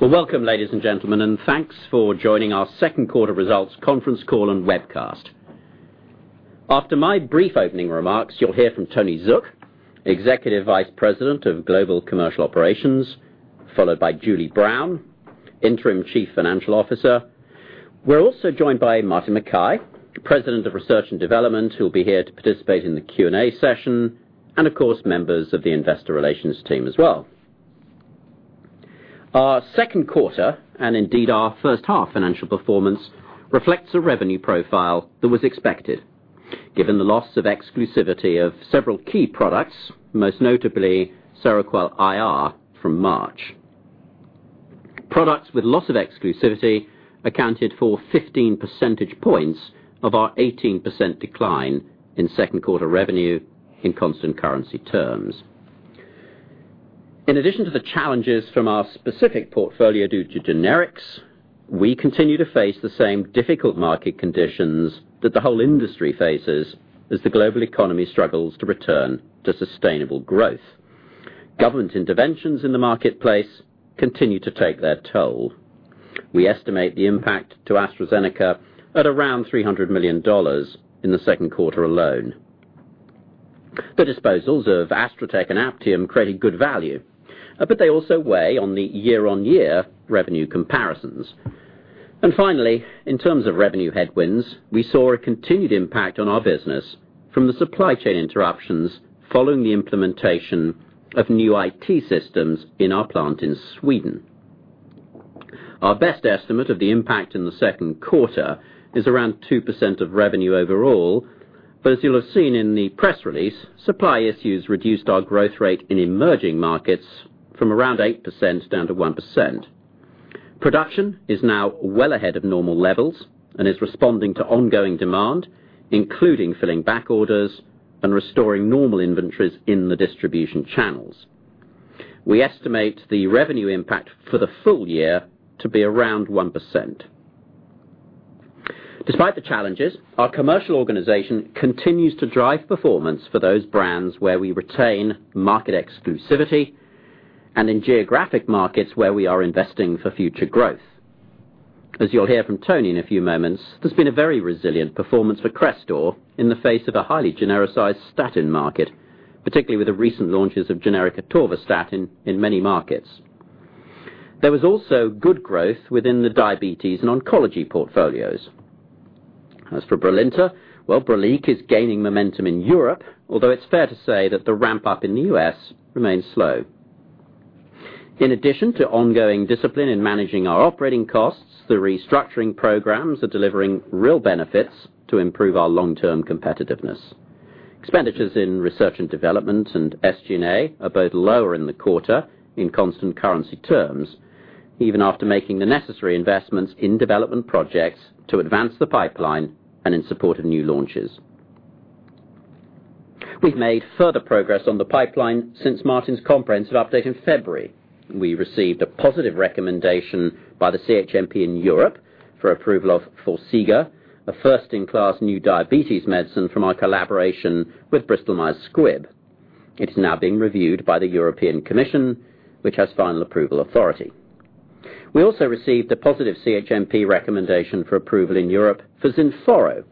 Well, welcome, ladies and gentlemen, Thanks for joining our second quarter results conference call and webcast. After my brief opening remarks, you'll hear from Tony Zook, Executive Vice President of Global Commercial Operations, followed by Julie Brown, Interim Chief Financial Officer. We're also joined by Martin Mackay, President of Research and Development, who'll be here to participate in the Q&A session, and of course, members of the investor relations team as well. Our second quarter, and indeed our first half financial performance, reflects a revenue profile that was expected, given the loss of exclusivity of several key products, most notably Seroquel IR from March. Products with loss of exclusivity accounted for 15 percentage points of our 18% decline in second quarter revenue in constant currency terms. In addition to the challenges from our specific portfolio due to generics, we continue to face the same difficult market conditions that the whole industry faces as the global economy struggles to return to sustainable growth. Government interventions in the marketplace continue to take their toll. We estimate the impact to AstraZeneca at around $300 million in the second quarter alone. The disposals of Astra Tech and Aptium created good value, They also weigh on the year-on-year revenue comparisons. Finally, in terms of revenue headwinds, we saw a continued impact on our business from the supply chain interruptions following the implementation of new IT systems in our plant in Sweden. Our best estimate of the impact in the second quarter is around 2% of revenue overall, As you'll have seen in the press release, supply issues reduced our growth rate in emerging markets from around 8% down to 1%. Production is now well ahead of normal levels and is responding to ongoing demand, including filling back orders and restoring normal inventories in the distribution channels. We estimate the revenue impact for the full year to be around 1%. Despite the challenges, our commercial organization continues to drive performance for those brands where we retain market exclusivity and in geographic markets where we are investing for future growth. As you'll hear from Tony in a few moments, there's been a very resilient performance for Crestor in the face of a highly genericized statin market, particularly with the recent launches of generic atorvastatin in many markets. There was also good growth within the diabetes and oncology portfolios. As for Brilinta, well, Brilique is gaining momentum in Europe, although it's fair to say that the ramp-up in the U.S. remains slow. In addition to ongoing discipline in managing our operating costs, the restructuring programs are delivering real benefits to improve our long-term competitiveness. Expenditures in research and development and SG&A are both lower in the quarter in constant currency terms, even after making the necessary investments in development projects to advance the pipeline and in support of new launches. We've made further progress on the pipeline since Martin's comprehensive update in February. We received a positive recommendation by the CHMP in Europe for approval of Forxiga, a first-in-class new diabetes medicine from our collaboration with Bristol-Myers Squibb. It is now being reviewed by the European Commission, which has final approval authority. We also received a positive CHMP recommendation for approval in Europe for ZINFORO,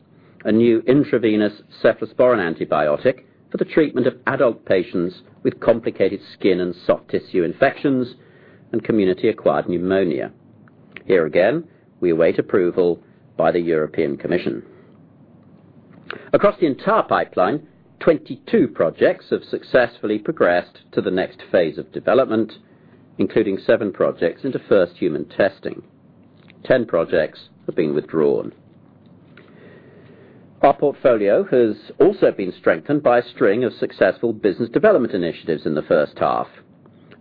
a new intravenous cephalosporin antibiotic for the treatment of adult patients with complicated skin and soft tissue infections and community-acquired pneumonia. Here again, we await approval by the European Commission. Across the entire pipeline, 22 projects have successfully progressed to the next phase of development, including seven projects into first human testing. 10 projects have been withdrawn. Our portfolio has also been strengthened by a string of successful business development initiatives in the first half.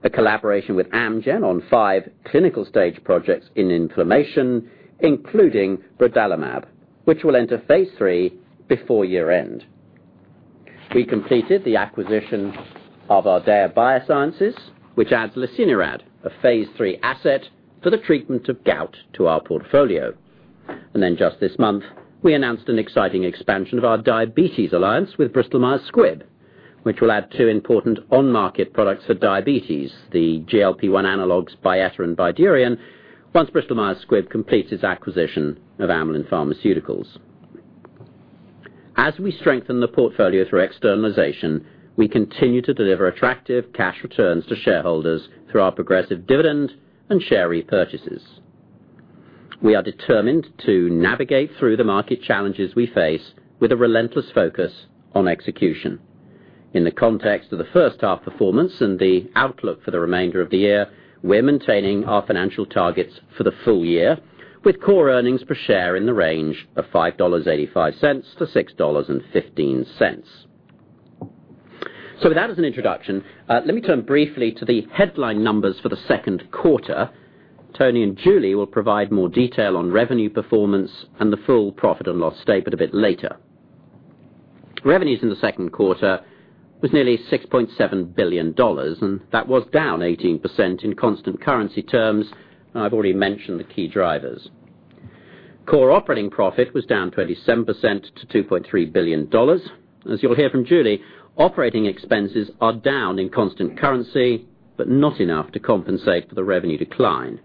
A collaboration with Amgen on 5 clinical stage projects in inflammation, including brodalumab, which will enter phase III before year-end. We completed the acquisition of Ardea Biosciences, which adds lesinurad, a phase III asset for the treatment of gout to our portfolio. Then just this month, we announced an exciting expansion of our diabetes alliance with Bristol-Myers Squibb, which will add two important on-market products for diabetes, the GLP-1 analogues, Byetta and Bydureon, once Bristol-Myers Squibb completes its acquisition of Amylin Pharmaceuticals. As we strengthen the portfolio through externalization, we continue to deliver attractive cash returns to shareholders through our progressive dividend and share repurchases. We are determined to navigate through the market challenges we face with a relentless focus on execution. In the context of the first half performance and the outlook for the remainder of the year, we're maintaining our financial targets for the full year, with core earnings per share in the range of $5.85-$6.15. With that as an introduction, let me turn briefly to the headline numbers for the second quarter. Tony and Julie will provide more detail on revenue performance and the full profit and loss statement a bit later. Revenues in the second quarter were nearly $6.7 billion, and that was down 18% in constant currency terms. I've already mentioned the key drivers. Core operating profit was down 27% to $2.3 billion. As you'll hear from Julie, operating expenses are down in constant currency, but not enough to compensate for the revenue decline.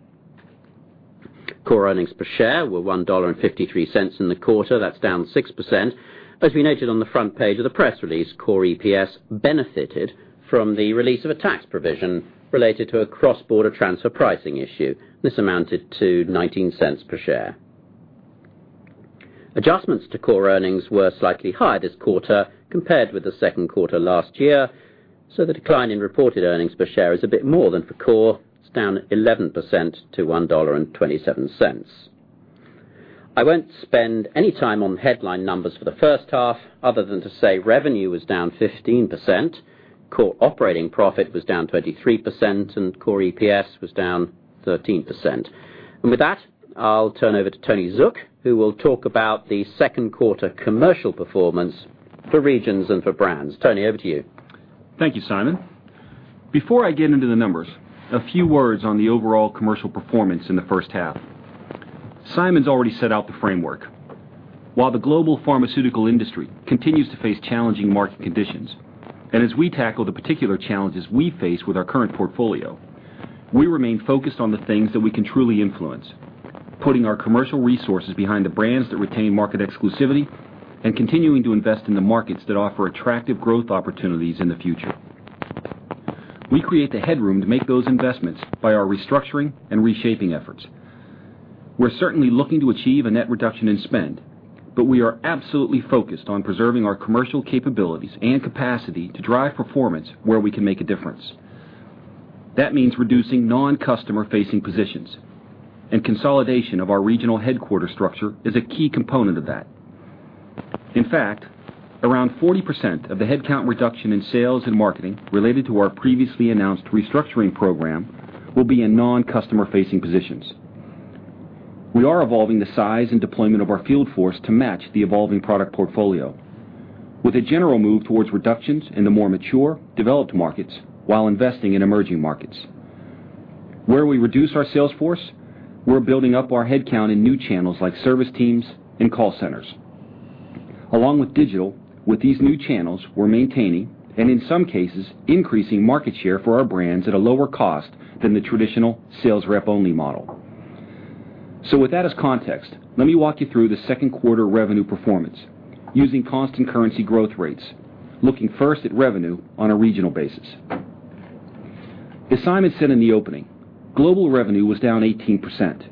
Core earnings per share were $1.53 in the quarter. That's down 6%. As we noted on the front page of the press release, core EPS benefited from the release of a tax provision related to a cross-border transfer pricing issue. This amounted to $0.19 per share. Adjustments to core earnings were slightly higher this quarter compared with the second quarter last year, so the decline in reported earnings per share is a bit more than for core. It's down 11% to $1.27. I won't spend any time on headline numbers for the first half other than to say revenue was down 15%, core operating profit was down 23%, and core EPS was down 13%. With that, I'll turn over to Tony Zook, who will talk about the second quarter commercial performance for regions and for brands. Tony, over to you. Thank you, Simon. Before I get into the numbers, a few words on the overall commercial performance in the first half. Simon's already set out the framework. While the global pharmaceutical industry continues to face challenging market conditions, as we tackle the particular challenges we face with our current portfolio, we remain focused on the things that we can truly influence. Putting our commercial resources behind the brands that retain market exclusivity and continuing to invest in the markets that offer attractive growth opportunities in the future. We create the headroom to make those investments by our restructuring and reshaping efforts. We're certainly looking to achieve a net reduction in spend, but we are absolutely focused on preserving our commercial capabilities and capacity to drive performance where we can make a difference. That means reducing non-customer facing positions. Consolidation of our regional headquarters structure is a key component of that. In fact, around 40% of the headcount reduction in sales and marketing related to our previously announced restructuring program will be in non-customer facing positions. We are evolving the size and deployment of our field force to match the evolving product portfolio, with a general move towards reductions in the more mature developed markets while investing in emerging markets. Where we reduce our sales force, we're building up our headcount in new channels like service teams and call centers. Along with digital, with these new channels we're maintaining and in some cases increasing market share for our brands at a lower cost than the traditional sales rep only model. With that as context, let me walk you through the second quarter revenue performance using constant currency growth rates. Looking first at revenue on a regional basis. As Simon said in the opening, global revenue was down 18%.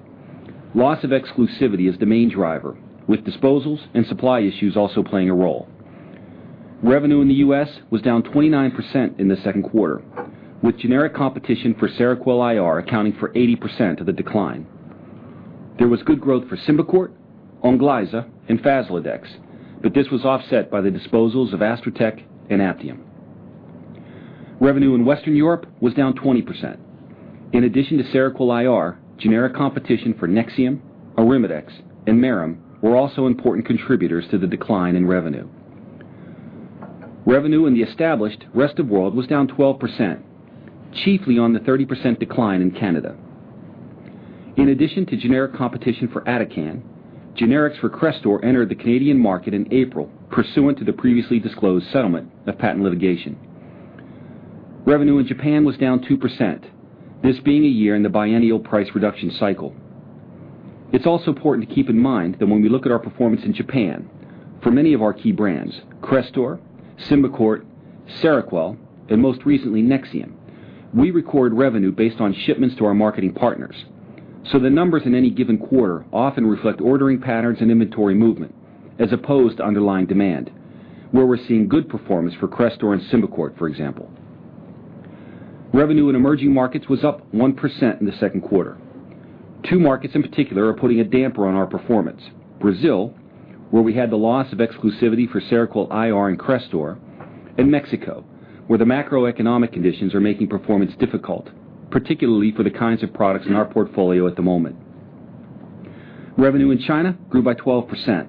Loss of exclusivity is the main driver, with disposals and supply issues also playing a role. Revenue in the U.S. was down 29% in the second quarter, with generic competition for Seroquel IR accounting for 80% of the decline. There was good growth for Symbicort, Onglyza and Faslodex. This was offset by the disposals of Astra Tech and Aptium. Revenue in Western Europe was down 20%. In addition to Seroquel IR, generic competition for Nexium, Arimidex and Merrem were also important contributors to the decline in revenue. Revenue in the established rest of world was down 12%, chiefly on the 30% decline in Canada. In addition to generic competition for Atacand, generics for Crestor entered the Canadian market in April pursuant to the previously disclosed settlement of patent litigation. Revenue in Japan was down 2%, this being a year in the biennial price reduction cycle. It's also important to keep in mind that when we look at our performance in Japan, for many of our key brands Crestor, Symbicort, Seroquel and most recently Nexium, we record revenue based on shipments to our marketing partners. The numbers in any given quarter often reflect ordering patterns and inventory movement as opposed to underlying demand, where we're seeing good performance for Crestor and Symbicort, for example. Revenue in emerging markets was up 1% in the second quarter. Two markets in particular are putting a damper on our performance. Brazil, where we had the loss of exclusivity for Seroquel IR and Crestor. Mexico, where the macroeconomic conditions are making performance difficult, particularly for the kinds of products in our portfolio at the moment. Revenue in China grew by 12%.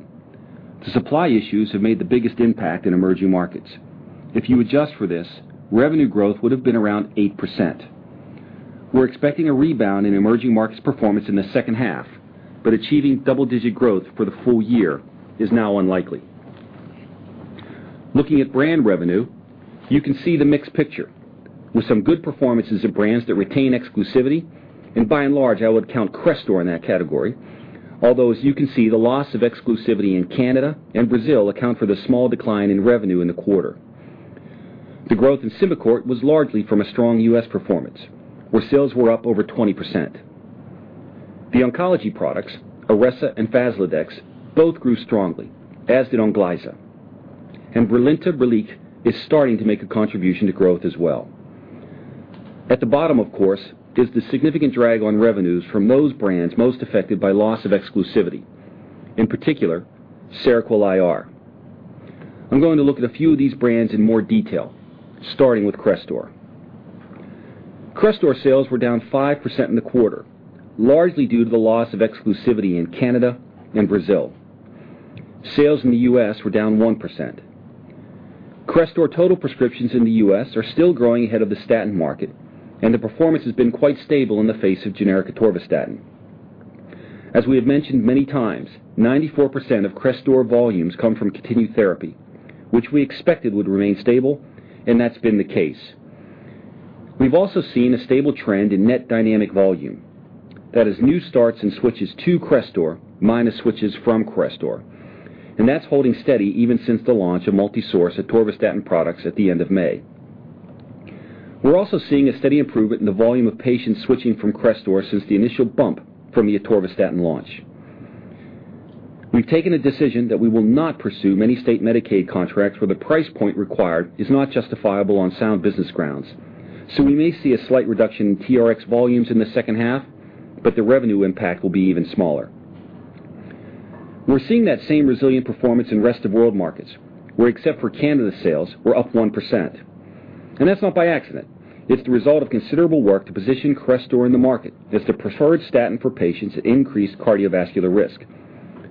The supply issues have made the biggest impact in emerging markets. If you adjust for this, revenue growth would have been around 8%. We're expecting a rebound in emerging markets performance in the second half, but achieving double-digit growth for the full year is now unlikely. Looking at brand revenue, you can see the mixed picture with some good performances of brands that retain exclusivity and by and large, I would count Crestor in that category. Although as you can see, the loss of exclusivity in Canada and Brazil account for the small decline in revenue in the quarter. The growth in Symbicort was largely from a strong U.S. performance, where sales were up over 20%. The oncology products, Iressa and Faslodex, both grew strongly, as did Onglyza. Brilinta/Brilique is starting to make a contribution to growth as well. At the bottom, of course, is the significant drag on revenues from those brands most affected by loss of exclusivity. In particular Seroquel IR. I'm going to look at a few of these brands in more detail, starting with Crestor. Crestor sales were down 5% in the quarter, largely due to the loss of exclusivity in Canada and Brazil. Sales in the U.S. were down 1%. Crestor total prescriptions in the U.S. are still growing ahead of the statin market, and the performance has been quite stable in the face of generic atorvastatin. As we have mentioned many times, 94% of Crestor volumes come from continued therapy, which we expected would remain stable, and that's been the case. We've also seen a stable trend in net dynamic volume. That is new starts and switches to Crestor minus switches from Crestor. That's holding steady even since the launch of multi-source atorvastatin products at the end of May. We're also seeing a steady improvement in the volume of patients switching from Crestor since the initial bump from the atorvastatin launch. We've taken a decision that we will not pursue many state Medicaid contracts where the price point required is not justifiable on sound business grounds. We may see a slight reduction in TRX volumes in the second half, but the revenue impact will be even smaller. We're seeing that same resilient performance in rest-of-world markets, where except for Canada sales, we're up 1%. That's not by accident. It's the result of considerable work to position Crestor in the market as the preferred statin for patients at increased cardiovascular risk,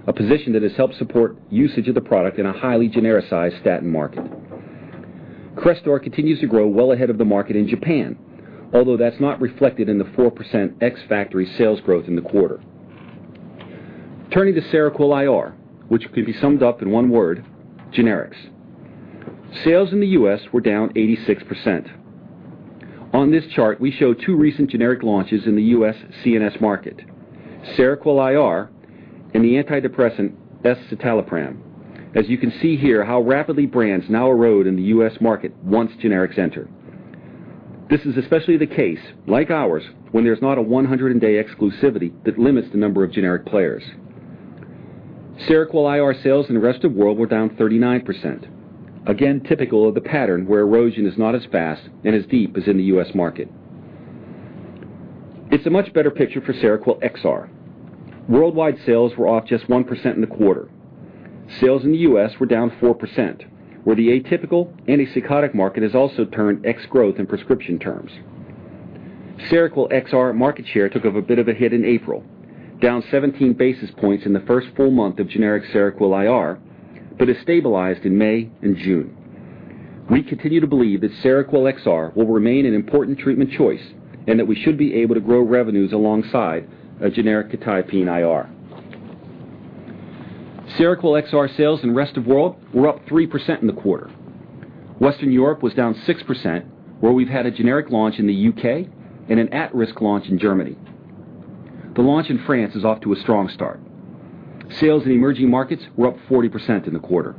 a position that has helped support usage of the product in a highly genericized statin market. Crestor continues to grow well ahead of the market in Japan, although that's not reflected in the 4% ex-factory sales growth in the quarter. Turning to Seroquel IR, which could be summed up in one word, generics. Sales in the U.S. were down 86%. On this chart, we show two recent generic launches in the U.S. CNS market, Seroquel IR and the antidepressant escitalopram. As you can see here how rapidly brands now erode in the U.S. market once generics enter. This is especially the case, like ours, when there's not a 100-day exclusivity that limits the number of generic players. Seroquel IR sales in the rest of world were down 39%, again typical of the pattern where erosion is not as fast and as deep as in the U.S. market. It's a much better picture for Seroquel XR. Worldwide sales were off just 1% in the quarter. Sales in the U.S. were down 4%, where the atypical antipsychotic market has also turned ex-growth in prescription terms. Seroquel XR market share took a bit of a hit in April, down 17 basis points in the first full month of generic quetiapine IR, but has stabilized in May and June. We continue to believe that Seroquel XR will remain an important treatment choice, and that we should be able to grow revenues alongside a generic quetiapine IR. Seroquel XR sales in rest of world were up 3% in the quarter. Western Europe was down 6%, where we've had a generic launch in the U.K. and an at-risk launch in Germany. The launch in France is off to a strong start. Sales in emerging markets were up 40% in the quarter.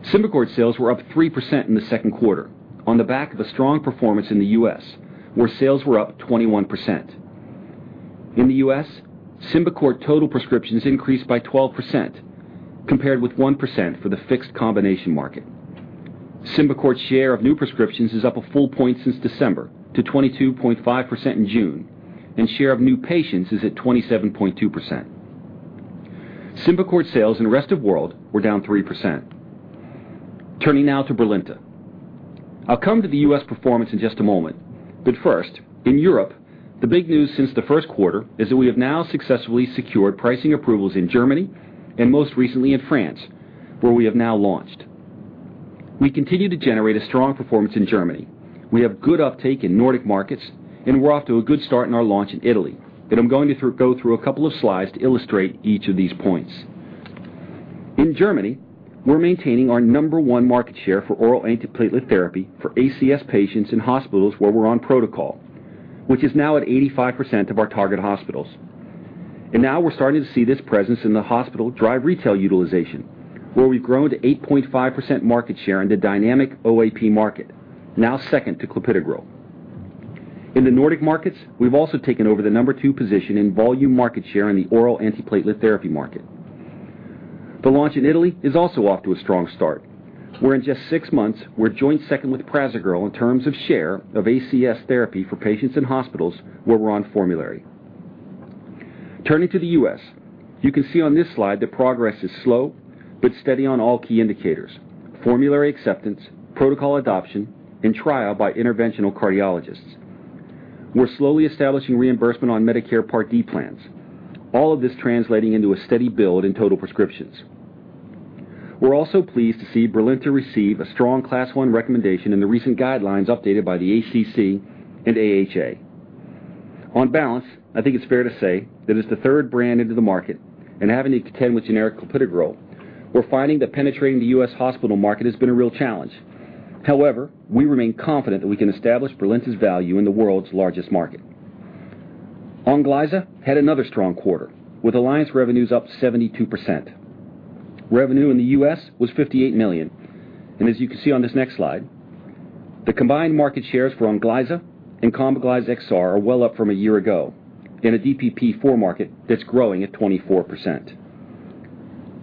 Symbicort sales were up 3% in the second quarter on the back of a strong performance in the U.S., where sales were up 21%. In the U.S., Symbicort total prescriptions increased by 12%, compared with 1% for the fixed combination market. Symbicort share of new prescriptions is up a full point since December to 22.5% in June, and share of new patients is at 27.2%. Symbicort sales in the rest of world were down 3%. Turning now to Brilinta. I'll come to the U.S. performance in just a moment, but first, in Europe, the big news since the first quarter is that we have now successfully secured pricing approvals in Germany and most recently in France, where we have now launched. We continue to generate a strong performance in Germany. We have good uptake in Nordic markets, and we're off to a good start in our launch in Italy. I'm going to go through a couple of slides to illustrate each of these points. In Germany, we're maintaining our number 1 market share for oral antiplatelet therapy for ACS patients in hospitals where we're on protocol, which is now at 85% of our target hospitals. Now we're starting to see this presence in the hospital drive retail utilization, where we've grown to 8.5% market share in the dynamic OAP market, now second to clopidogrel. In the Nordic markets, we've also taken over the number 2 position in volume market share in the oral antiplatelet therapy market. The launch in Italy is also off to a strong start, where in just six months, we're joint second with prasugrel in terms of share of ACS therapy for patients in hospitals where we're on formulary. Turning to the U.S., you can see on this slide that progress is slow but steady on all key indicators: formulary acceptance, protocol adoption, and trial by interventional cardiologists. We're slowly establishing reimbursement on Medicare Part D plans, all of this translating into a steady build in total prescriptions. We're also pleased to see Brilinta receive a strong Class 1 recommendation in the recent guidelines updated by the ACC and AHA. On balance, I think it's fair to say that as the third brand into the market and having to contend with generic clopidogrel, we're finding that penetrating the U.S. hospital market has been a real challenge. However, we remain confident that we can establish Brilinta's value in the world's largest market. Onglyza had another strong quarter, with alliance revenues up 72%. Revenue in the U.S. was $58 million. As you can see on this next slide, the combined market shares for KOMBIGLYZE XR are well up from a year ago in a DPP-4 market that's growing at 24%.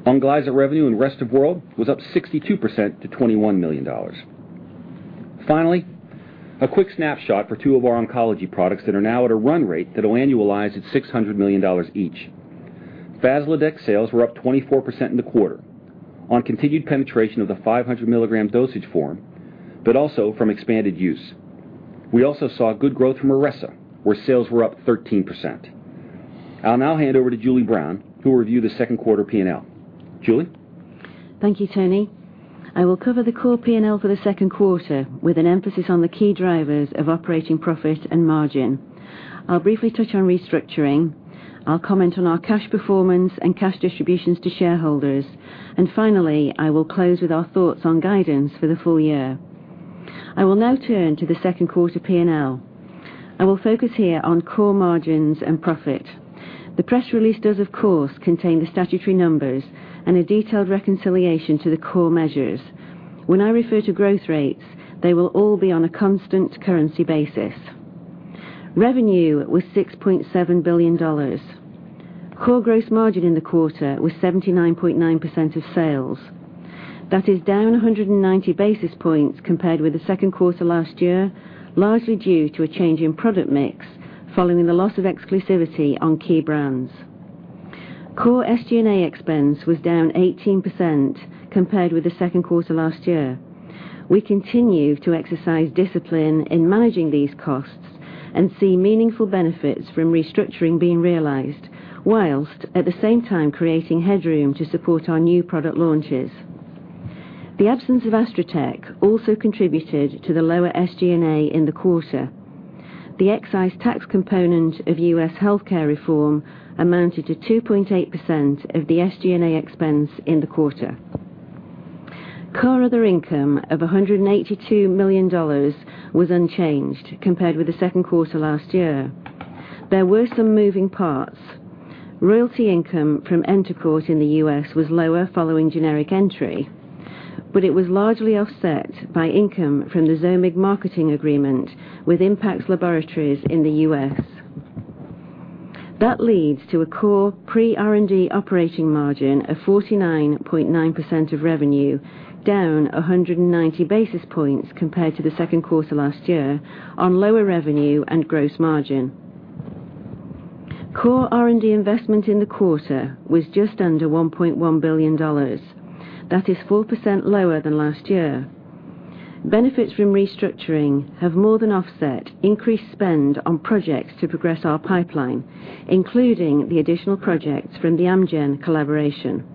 Onglyza revenue in rest of world was up 62% to $21 million. Finally, a quick snapshot for two of our oncology products that are now at a run rate that will annualize at $600 million each. Faslodex sales were up 24% in the quarter on continued penetration of the 500 milligram dosage form, but also from expanded use. We also saw good growth from Iressa, where sales were up 13%. I'll now hand over to Julie Brown, who will review the second quarter P&L. Julie? Thank you, Tony. I will cover the core P&L for the second quarter, with an emphasis on the key drivers of operating profit and margin. I'll briefly touch on restructuring. I'll comment on our cash performance and cash distributions to shareholders. Finally, I will close with our thoughts on guidance for the full year. I will now turn to the second quarter P&L. I will focus here on core margins and profit. The press release does, of course, contain the statutory numbers and a detailed reconciliation to the core measures. When I refer to growth rates, they will all be on a constant currency basis. Revenue was $6.7 billion. Core gross margin in the quarter was 79.9% of sales. That is down 190 basis points compared with the second quarter last year, largely due to a change in product mix following the loss of exclusivity on key brands. Core SG&A expense was down 18% compared with the second quarter last year. We continue to exercise discipline in managing these costs and see meaningful benefits from restructuring being realized, whilst at the same time creating headroom to support our new product launches. The absence of Astra Tech also contributed to the lower SG&A in the quarter. The excise tax component of U.S. healthcare reform amounted to 2.8% of the SG&A expense in the quarter. Core other income of $182 million was unchanged compared with the second quarter last year. There were some moving parts. Royalty income from Entocort in the U.S. was lower following generic entry, but it was largely offset by income from the ZOMIG marketing agreement with Impax Laboratories in the U.S. That leads to a core pre-R&D operating margin of 49.9% of revenue, down 190 basis points compared to the second quarter last year on lower revenue and gross margin. Core R&D investment in the quarter was just under $1.1 billion. That is 4% lower than last year. Benefits from restructuring have more than offset increased spend on projects to progress our pipeline, including the additional projects from the Amgen collaboration.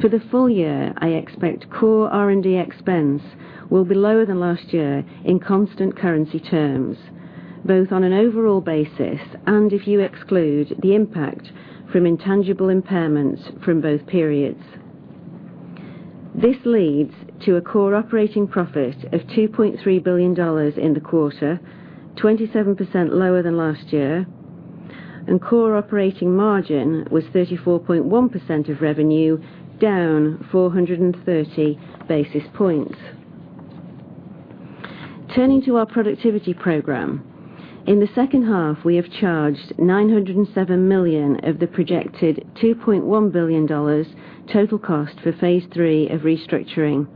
For the full year, I expect core R&D expense will be lower than last year in constant currency terms, both on an overall basis and if you exclude the impact from intangible impairments from both periods. This leads to a core operating profit of $2.3 billion in the quarter, 27% lower than last year, and core operating margin was 34.1% of revenue, down 430 basis points. Turning to our productivity program. In the second half, we have charged $907 million of the projected $2.1 billion total cost for phase III of restructuring,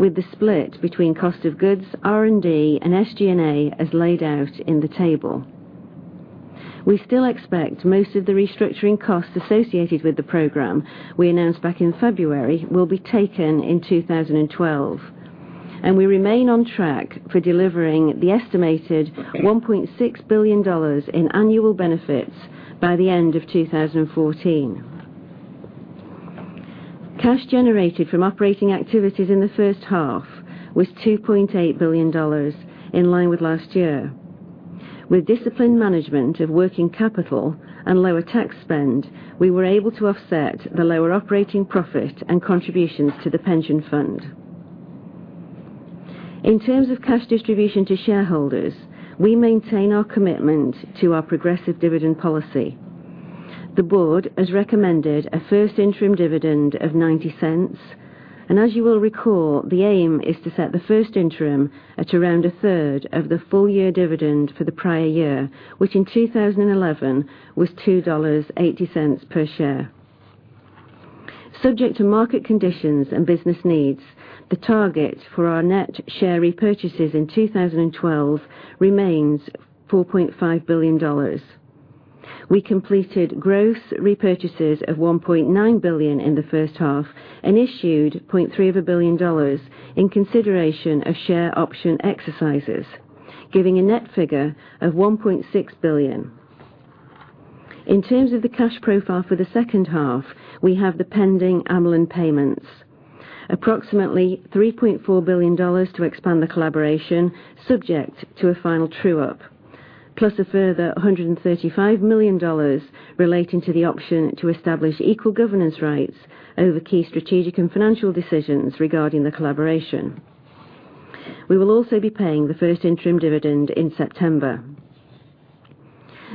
with the split between cost of goods, R&D, and SG&A as laid out in the table. We still expect most of the restructuring costs associated with the program we announced back in February will be taken in 2012, and we remain on track for delivering the estimated $1.6 billion in annual benefits by the end of 2014. Cash generated from operating activities in the first half was $2.8 billion, in line with last year. With disciplined management of working capital and lower tax spend, we were able to offset the lower operating profit and contributions to the pension fund. In terms of cash distribution to shareholders, we maintain our commitment to our progressive dividend policy. The board has recommended a first interim dividend of $0.90. As you will recall, the aim is to set the first interim at around a third of the full-year dividend for the prior year, which in 2011 was $2.80 per share. Subject to market conditions and business needs, the target for our net share repurchases in 2012 remains $4.5 billion. We completed gross repurchases of $1.9 billion in the first half and issued $0.3 billion in consideration of share option exercises, giving a net figure of $1.6 billion. In terms of the cash profile for the second half, we have the pending Amylin payments, approximately $3.4 billion to expand the collaboration, subject to a final true-up, plus a further $135 million relating to the option to establish equal governance rights over key strategic and financial decisions regarding the collaboration. We will also be paying the first interim dividend in September.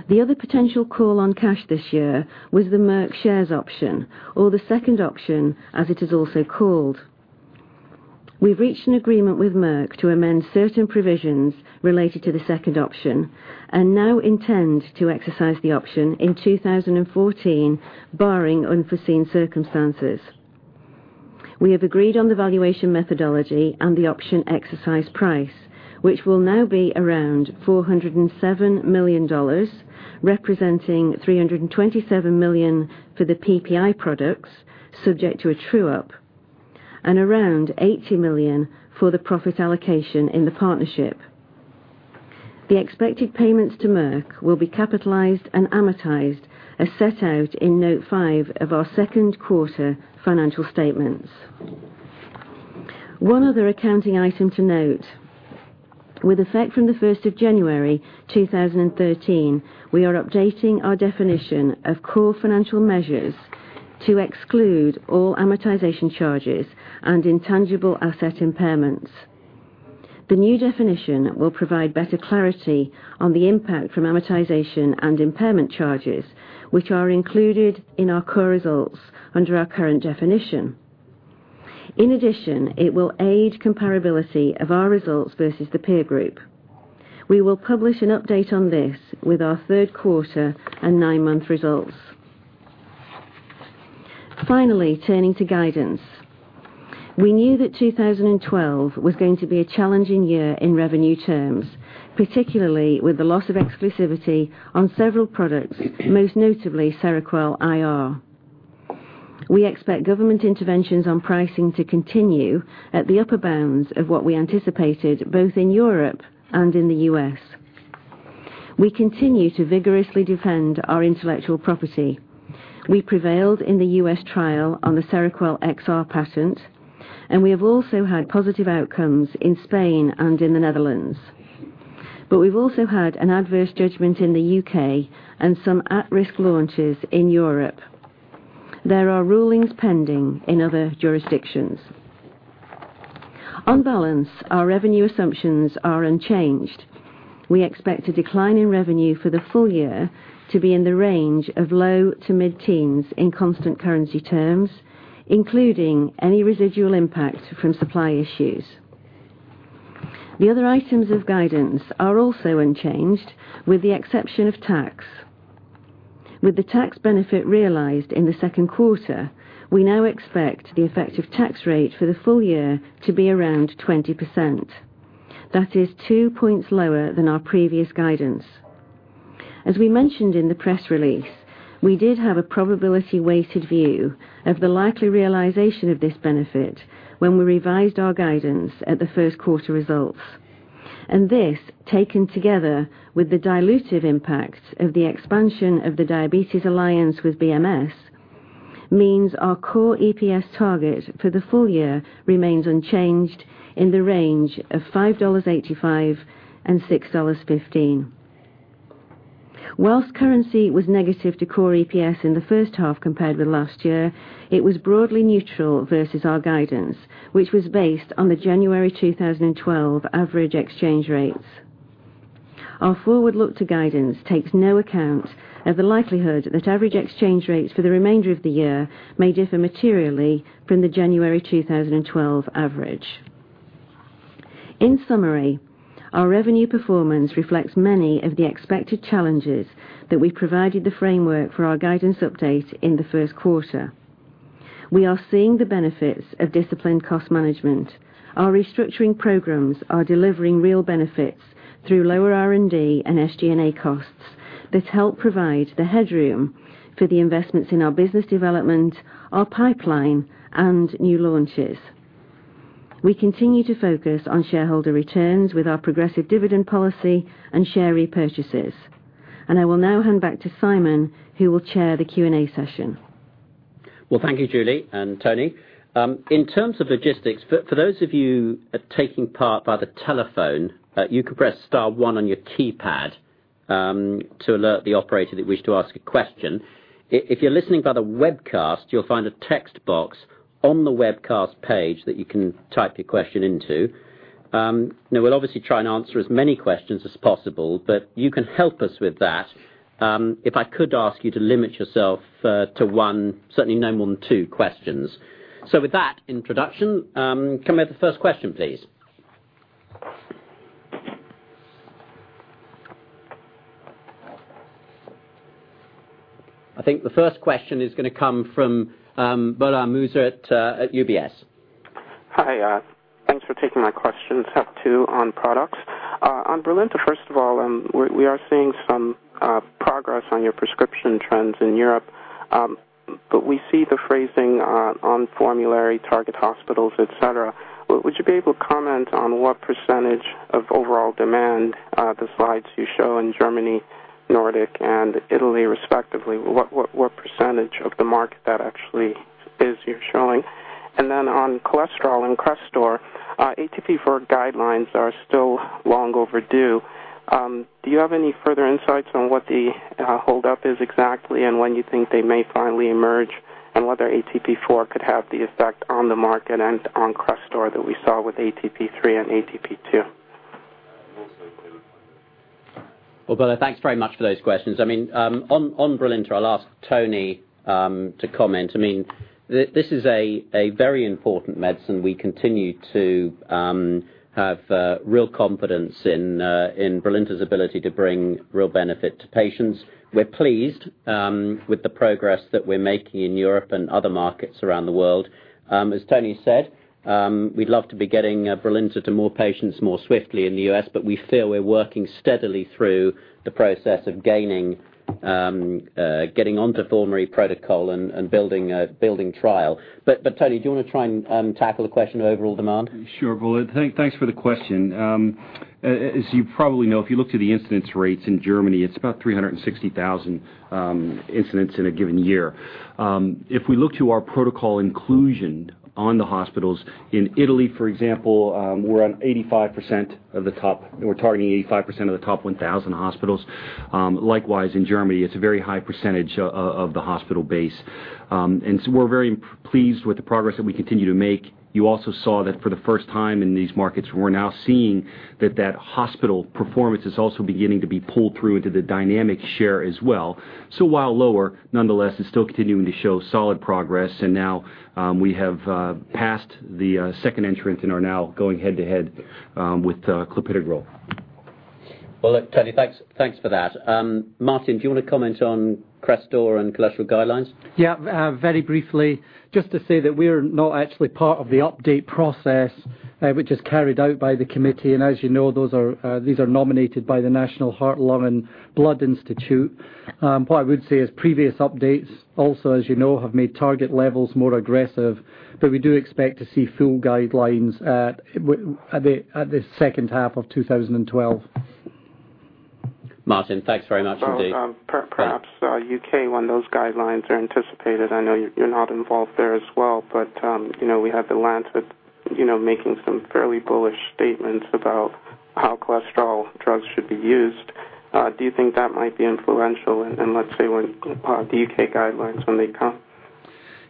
The other potential call on cash this year was the Merck shares option, or the second option, as it is also called. We've reached an agreement with Merck to amend certain provisions related to the second option and now intend to exercise the option in 2014, barring unforeseen circumstances. We have agreed on the valuation methodology and the option exercise price, which will now be around $407 million, representing $327 million for the PPI products subject to a true-up. Around $80 million for the profit allocation in the partnership. The expected payments to Merck will be capitalized and amortized as set out in Note 5 of our second quarter financial statements. One other accounting item to note. With effect from the 1st of January 2013, we are updating our definition of core financial measures to exclude all amortization charges and intangible asset impairments. The new definition will provide better clarity on the impact from amortization and impairment charges, which are included in our core results under our current definition. In addition, it will aid comparability of our results versus the peer group. We will publish an update on this with our third quarter and nine-month results. Finally, turning to guidance. We knew that 2012 was going to be a challenging year in revenue terms, particularly with the loss of exclusivity on several products, most notably Seroquel IR. We expect government interventions on pricing to continue at the upper bounds of what we anticipated, both in Europe and in the U.S. We continue to vigorously defend our intellectual property. We prevailed in the U.S. trial on the Seroquel XR patent. We have also had positive outcomes in Spain and in the Netherlands. We've also had an adverse judgment in the U.K. and some at-risk launches in Europe. There are rulings pending in other jurisdictions. On balance, our revenue assumptions are unchanged. We expect a decline in revenue for the full year to be in the range of low to mid-teens in constant currency terms, including any residual impact from supply issues. The other items of guidance are also unchanged with the exception of tax. With the tax benefit realized in the second quarter, we now expect the effective tax rate for the full year to be around 20%. That is two points lower than our previous guidance. As we mentioned in the press release, we did have a probability-weighted view of the likely realization of this benefit when we revised our guidance at the first quarter results. This, taken together with the dilutive impact of the expansion of the diabetes alliance with BMS, means our core EPS target for the full year remains unchanged in the range of $5.85-$6.15. Whilst currency was negative to core EPS in the first half compared with last year, it was broadly neutral versus our guidance, which was based on the January 2012 average exchange rates. Our forward look to guidance takes no account of the likelihood that average exchange rates for the remainder of the year may differ materially from the January 2012 average. In summary, our revenue performance reflects many of the expected challenges that we provided the framework for our guidance update in the first quarter. We are seeing the benefits of disciplined cost management. Our restructuring programs are delivering real benefits through lower R&D and SG&A costs that help provide the headroom for the investments in our business development, our pipeline, and new launches. We continue to focus on shareholder returns with our progressive dividend policy and share repurchases. I will now hand back to Simon, who will chair the Q&A session. Well, thank you, Julie and Tony. In terms of logistics, for those of you taking part by the telephone, you can press star one on your keypad to alert the operator that you wish to ask a question. If you're listening by the webcast, you'll find a text box on the webcast page that you can type your question into. Now, we'll obviously try and answer as many questions as possible, but you can help us with that if I could ask you to limit yourself to one, certainly no more than two questions. With that introduction, can we have the first question, please? I think the first question is going to come from Gbola Amusa at UBS. Hi. Thanks for taking my questions. I have two on products. On Brilinta, first of all, we are seeing some progress on your prescription trends in Europe, but we see the phrasing on formulary target hospitals, et cetera. Would you be able to comment on what percentage of overall demand the slides you show in Germany, Nordic, and Italy, respectively, what percentage of the market that actually is you're showing? On cholesterol and Crestor, ATP IV guidelines are still long overdue. Do you have any further insights on what the holdup is exactly, and when you think they may finally emerge, and whether ATP IV could have the effect on the market and on Crestor that we saw with ATP III and ATP II? Well, Gbola, thanks very much for those questions. On Brilinta, I'll ask Tony to comment. This is a very important medicine. We continue to have real confidence in Brilinta's ability to bring real benefit to patients. We're pleased with the progress that we're making in Europe and other markets around the world. As Tony said, we'd love to be getting Brilinta to more patients more swiftly in the U.S., but we feel we're working steadily through the process of gaining onto formulary protocol and building trial. Tony, do you want to try and tackle the question of overall demand? Sure, Gbola. Thanks for the question. As you probably know, if you look to the incidence rates in Germany, it's about 360,000 incidents in a given year. If we look to our protocol inclusion on the hospitals in Italy, for example, we're targeting 85% of the top 1,000 hospitals. Likewise, in Germany, it's a very high percentage of the hospital base. We're very pleased with the progress that we continue to make. You also saw that for the first time in these markets, we're now seeing that hospital performance is also beginning to be pulled through into the dynamic share as well. While lower, nonetheless, it's still continuing to show solid progress. Now we have passed the second entrant and are now going head to head with clopidogrel. Well look, Tony, thanks for that. Martin, do you want to comment on Crestor and cholesterol guidelines? Yeah, very briefly, just to say that we are not actually part of the update process, which is carried out by the committee. As you know, these are nominated by the National Heart, Lung, and Blood Institute. What I would say is previous updates also, as you know, have made target levels more aggressive. We do expect to see full guidelines at the second half of 2012. Martin, thanks very much indeed. Well, perhaps U.K., when those guidelines are anticipated, I know you're not involved there as well. We have The Lancet making some fairly bullish statements about how cholesterol drugs should be used. Do you think that might be influential in, let's say, the U.K. guidelines when they come?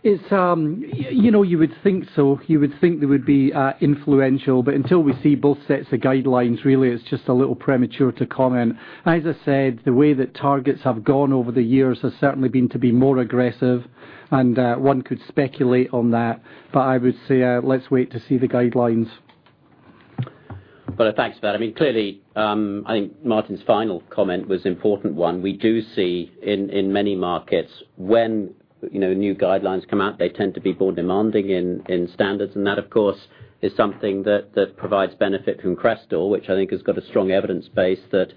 You would think so. You would think they would be influential. Until we see both sets of guidelines, really, it's just a little premature to comment. As I said, the way that targets have gone over the years has certainly been to be more aggressive. One could speculate on that. I would say, let's wait to see the guidelines. Well, thanks for that. Clearly, I think Martin Mackay’s final comment was important one. We do see in many markets when new guidelines come out, they tend to be more demanding in standards, and that, of course, is something that provides benefit from Crestor, which I think has got a strong evidence base that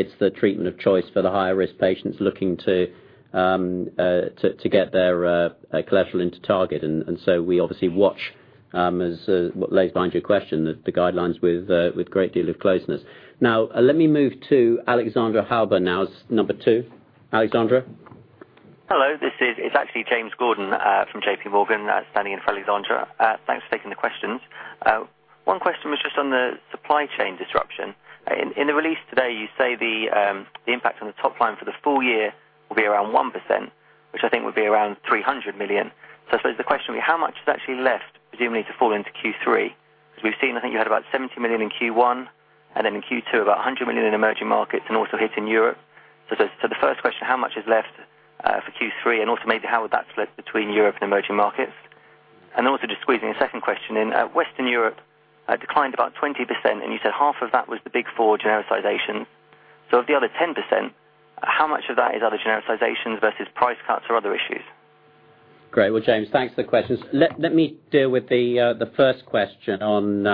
it’s the treatment of choice for the higher risk patients looking to get their cholesterol into target. We obviously watch, as lays behind your question, the guidelines with great deal of closeness. Now, let me move to Alexandra Hauber now as number 2. Alexandra? Hello, it’s actually James Gordon from J.P. Morgan, standing in for Alexandra. Thanks for taking the questions. One question was just on the supply chain disruption. In the release today, you say the impact on the top line for the full year will be around 1%, which I think would be around $300 million. I suppose the question would be how much is actually left presumably to fall into Q3? Because we’ve seen, I think you had about $70 million in Q1, and then in Q2, about $100 million in emerging markets and also hit in Europe. The first question, how much is left for Q3? Also maybe how would that split between Europe and emerging markets? Also just squeezing a second question in. Western Europe declined about 20%, and you said half of that was the big four genericization. Of the other 10%, how much of that is other genericizations versus price cuts or other issues? Great. Well, James, thanks for the questions. Let me deal with the first question on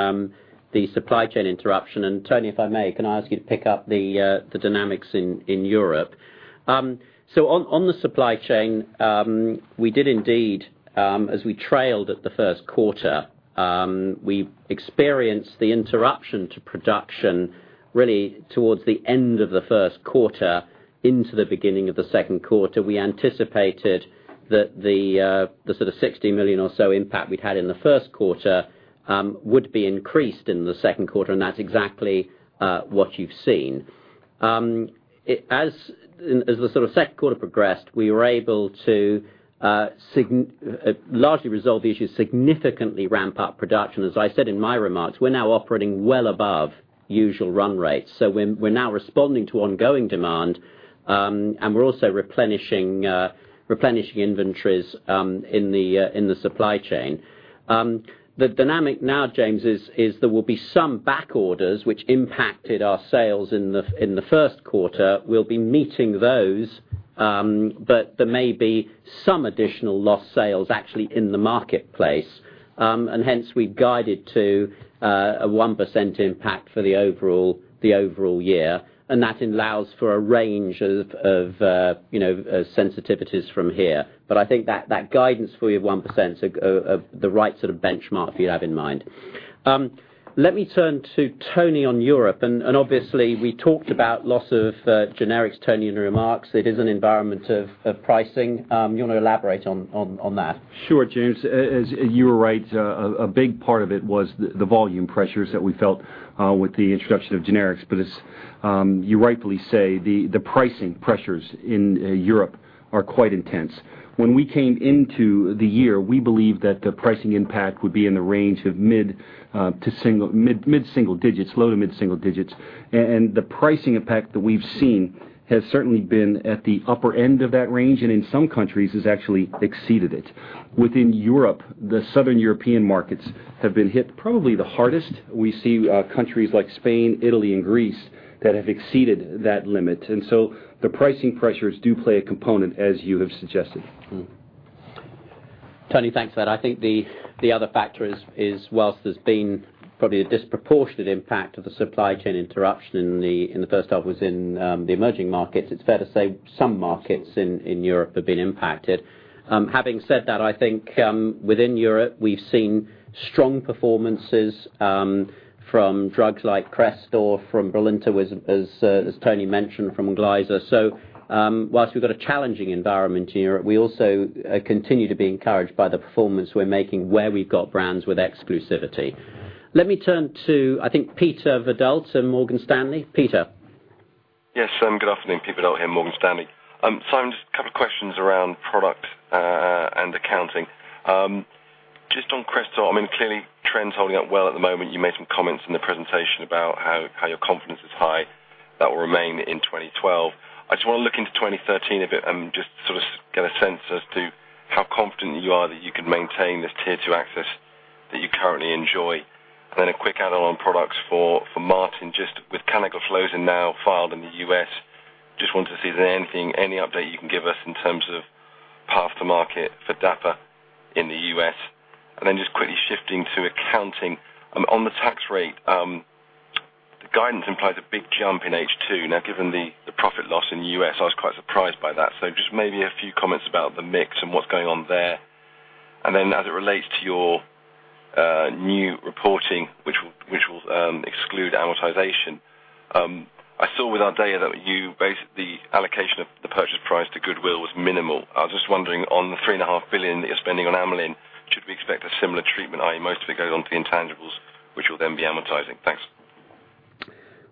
the supply chain interruption. Tony, if I may, can I ask you to pick up the dynamics in Europe? On the supply chain, we did indeed, as we trailed at the first quarter, we experienced the interruption to production really towards the end of the first quarter into the beginning of the second quarter. We anticipated that the sort of $60 million or so impact we’d had in the first quarter would be increased in the second quarter, and that’s exactly what you’ve seen. As the sort of second quarter progressed, we were able to largely resolve the issues, significantly ramp up production. As I said in my remarks, we’re now operating well above usual run rates. We’re now responding to ongoing demand, and we’re also replenishing inventories in the supply chain. The dynamic now, James, is there will be some back orders which impacted our sales in the first quarter. We'll be meeting those, but there may be some additional lost sales actually in the marketplace. Hence we've guided to a 1% impact for the overall year, and that allows for a range of sensitivities from here. I think that guidance for you of 1% is the right sort of benchmark for you to have in mind. Let me turn to Tony on Europe. Obviously we talked about loss of generics, Tony, in your remarks. It is an environment of pricing. You want to elaborate on that? Sure, James, you were right. A big part of it was the volume pressures that we felt with the introduction of generics. As you rightly say, the pricing pressures in Europe are quite intense. When we came into the year, we believed that the pricing impact would be in the range of low to mid single digits. The pricing impact that we've seen has certainly been at the upper end of that range, and in some countries has actually exceeded it. Within Europe, the Southern European markets have been hit probably the hardest. We see countries like Spain, Italy, and Greece that have exceeded that limit. So the pricing pressures do play a component, as you have suggested. Tony, thanks for that. I think the other factor is, whilst there's been probably a disproportionate impact of the supply chain interruption in the first half was in the emerging markets, it's fair to say some markets in Europe have been impacted. Having said that, I think within Europe, we've seen strong performances from drugs like Crestor, from Brilinta, as Tony mentioned, from Onglyza. Whilst we've got a challenging environment in Europe, we also continue to be encouraged by the performance we're making where we've got brands with exclusivity. Let me turn to, I think, Peter Verdult at Morgan Stanley. Peter. Yes. Good afternoon. Peter Verdult here, Morgan Stanley. Simon, just a couple questions around product and accounting. Just on Crestor, clearly trend's holding up well at the moment. You made some comments in the presentation about how your confidence is high, that will remain in 2012. I just want to look into 2013 a bit and just sort of get a sense as to how confident you are that you can maintain this tier 2 access that you currently enjoy. Then a quick add-on on products for Martin, just with canagliflozin now filed in the U.S., just wanted to see if there's anything, any update you can give us in terms of path to market for DAPA in the U.S. Then just quickly shifting to accounting. On the tax rate, the guidance implies a big jump in H2. Given the profit loss in the U.S., I was quite surprised by that. Just maybe a few comments about the mix and what's going on there. As it relates to your new reporting, which will exclude amortization. I saw with Ardea that the allocation of the purchase price to goodwill was minimal. I was just wondering, on the $3.5 billion that you're spending on Amylin, should we expect a similar treatment, i.e. most of it goes onto intangibles, which will then be amortizing? Thanks.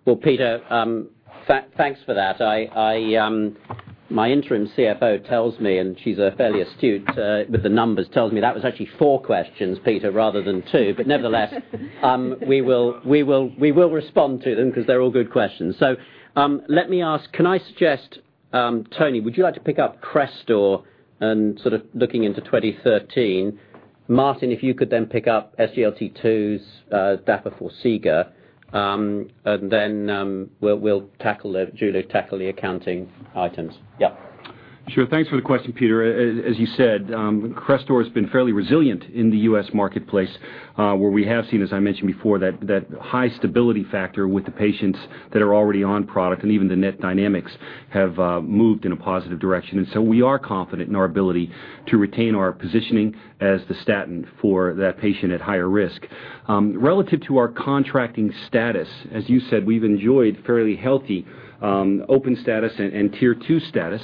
Well, Peter, thanks for that. My interim CFO tells me, and she's fairly astute with the numbers, tells me that was actually four questions, Peter, rather than two. Nevertheless, we will respond to them because they're all good questions. Let me ask, can I suggest, Tony, would you like to pick up Crestor and sort of looking into 2013? Martin, if you could then pick up SGLT2s, dapagliflozin Forxiga, and then Julie will tackle the accounting items. Yep. Sure. Thanks for the question, Peter. As you said, Crestor has been fairly resilient in the U.S. marketplace, where we have seen, as I mentioned before, that high stability factor with the patients that are already on product, even the net dynamics have moved in a positive direction. We are confident in our ability to retain our positioning as the statin for that patient at higher risk. Relative to our contracting status, as you said, we've enjoyed fairly healthy open status and tier 2 status.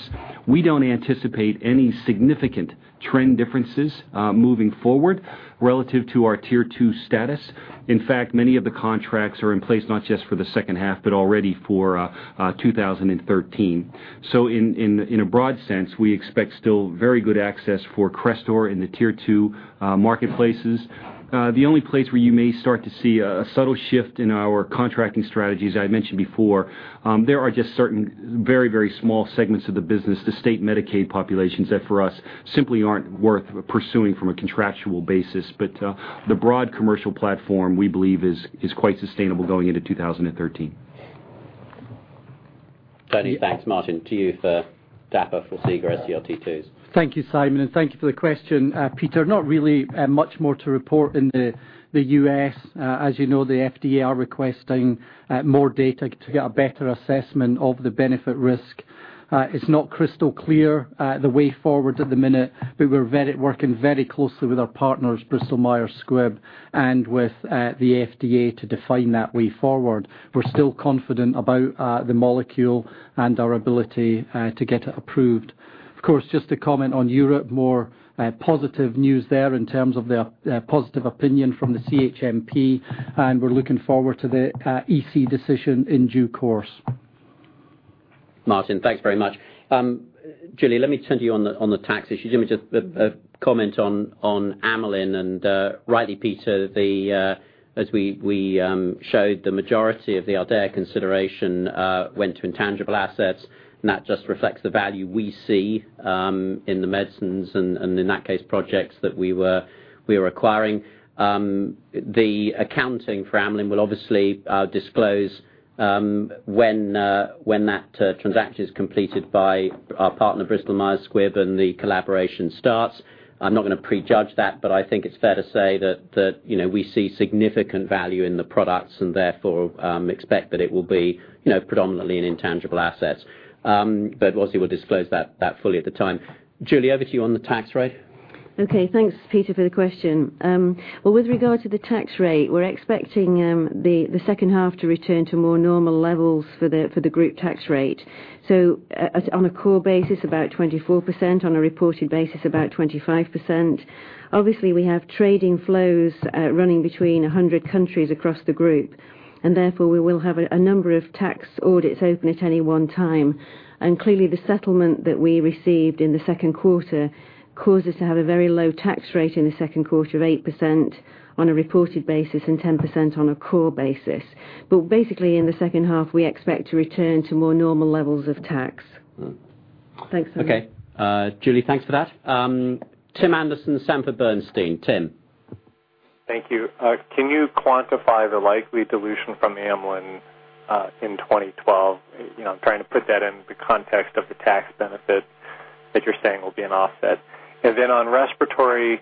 We don't anticipate any significant trend differences moving forward relative to our tier 2 status. In fact, many of the contracts are in place not just for the second half, but already for 2013. In a broad sense, we expect still very good access for Crestor in the tier 2 marketplaces. The only place where you may start to see a subtle shift in our contracting strategies, I mentioned before, there are just certain very, very small segments of the business, the state Medicaid populations, that for us simply aren't worth pursuing from a contractual basis. The broad commercial platform, we believe is quite sustainable going into 2013. Tony, thanks. Martin, to you for dapagliflozin Forxiga, or SGLT2s. Thank you, Simon, and thank you for the question, Peter. Not really much more to report in the U.S. As you know, the FDA are requesting more data to get a better assessment of the benefit risk. It's not crystal clear the way forward at the minute, but we're working very closely with our partners, Bristol-Myers Squibb, and with the FDA to define that way forward. We're still confident about the molecule and our ability to get it approved. Of course, just to comment on Europe, more positive news there in terms of their positive opinion from the CHMP, we're looking forward to the EC decision in due course. Martin, thanks very much. Julie, let me turn to you on the tax issue. Do you want me to comment on Amylin, rightly Peter, as we showed the majority of the Ardea consideration went to intangible assets, and that just reflects the value we see in the medicines and in that case projects that we were acquiring. The accounting for Amylin will obviously disclose when that transaction is completed by our partner Bristol-Myers Squibb and the collaboration starts. I'm not going to prejudge that, but I think it's fair to say that we see significant value in the products and therefore expect that it will be predominantly in intangible assets. Obviously, we'll disclose that fully at the time. Julie, over to you on the tax rate. Okay. Thanks, Peter, for the question. Well, with regard to the tax rate, we're expecting the second half to return to more normal levels for the group tax rate. On a core basis, about 24%, on a reported basis, about 25%. Obviously, we have trading flows running between 100 countries across the group, and therefore we will have a number of tax audits open at any one time. Clearly, the settlement that we received in the second quarter caused us to have a very low tax rate in the second quarter of 8% on a reported basis and 10% on a core basis. Basically, in the second half, we expect to return to more normal levels of tax. Thanks, Simon. Okay. Julie, thanks for that. Tim Anderson, Sanford C. Bernstein. Tim. Thank you. Can you quantify the likely dilution from Amylin in 2012? I'm trying to put that in the context of the tax benefit that you're saying will be an offset. On respiratory,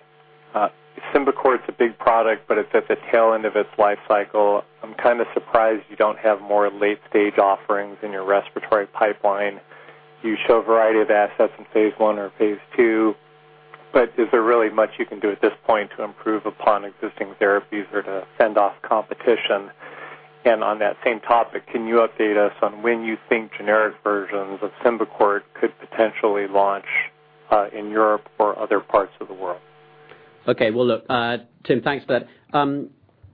Symbicort is a big product, but it's at the tail end of its life cycle. I'm kind of surprised you don't have more late-stage offerings in your respiratory pipeline. You show a variety of assets in phase I or phase II, but is there really much you can do at this point to improve upon existing therapies or to fend off competition? On that same topic, can you update us on when you think generic versions of Symbicort could potentially launch in Europe or other parts of the world? Okay. Well, look, Tim, thanks for that.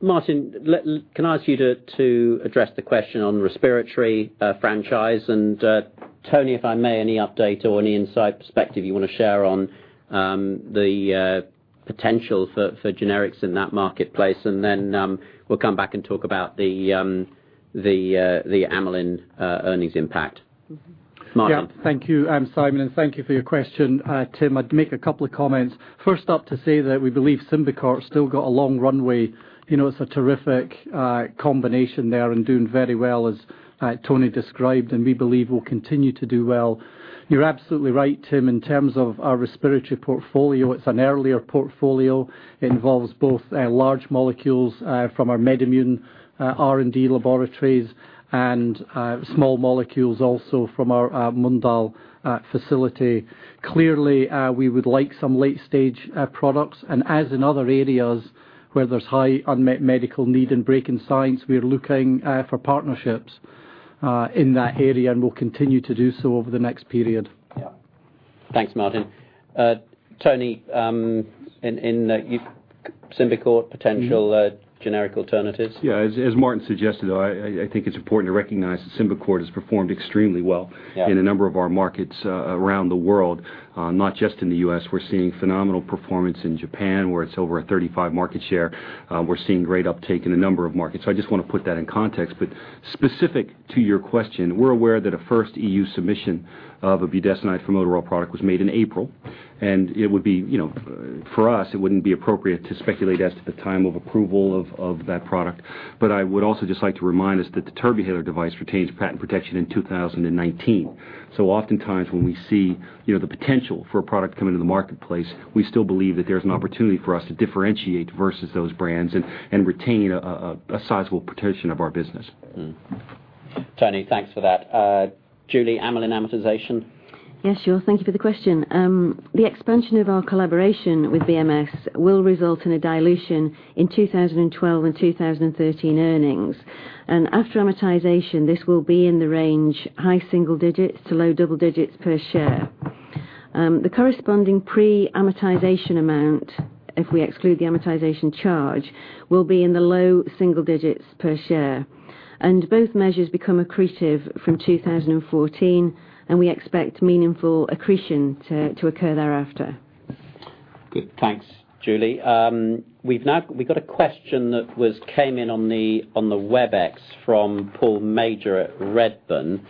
Martin, can I ask you to address the question on respiratory franchise? Tony, if I may, any update or any insight, perspective you want to share on the potential for generics in that marketplace? We'll come back and talk about the Amylin earnings impact. Martin. Yeah. Thank you, Simon, and thank you for your question, Tim. I'd make a couple of comments. First up, to say that we believe Symbicort's still got a long runway. It's a terrific combination there, and doing very well, as Tony described, and we believe will continue to do well. You're absolutely right, Tim, in terms of our respiratory portfolio. It's an earlier portfolio. It involves both large molecules from our MedImmune R&D laboratories and small molecules also from our Mölndal facility. Clearly, we would like some late-stage products. As in other areas where there's high unmet medical need and break in science, we are looking for partnerships in that area, and we'll continue to do so over the next period. Yeah. Thanks, Martin. Tony, Symbicort potential generic alternatives. Yeah. As Martin suggested, I think it's important to recognize that Symbicort has performed extremely well- in a number of our markets around the world, not just in the U.S. We're seeing phenomenal performance in Japan, where it's over a 35 market share. We're seeing great uptake in a number of markets. I just want to put that in context. Specific to your question, we're aware that a first EU submission of a budesonide formoterol product was made in April. For us, it wouldn't be appropriate to speculate as to the time of approval of that product. I would also just like to remind us that the Turbuhaler device retains patent protection in 2019. Oftentimes when we see the potential for a product coming into the marketplace, we still believe that there's an opportunity for us to differentiate versus those brands and retain a sizable portion of our business. Tony, thanks for that. Julie, Amylin amortization. Yes, sure. Thank you for the question. The expansion of our collaboration with BMS will result in a dilution in 2012 and 2013 earnings. After amortization, this will be in the range high single digits to low double digits per share. The corresponding pre-amortization amount, if we exclude the amortization charge, will be in the low single digits per share. Both measures become accretive from 2014, and we expect meaningful accretion to occur thereafter. Good. Thanks, Julie. We've got a question that came in on the Webex from Paul Major at Redburn.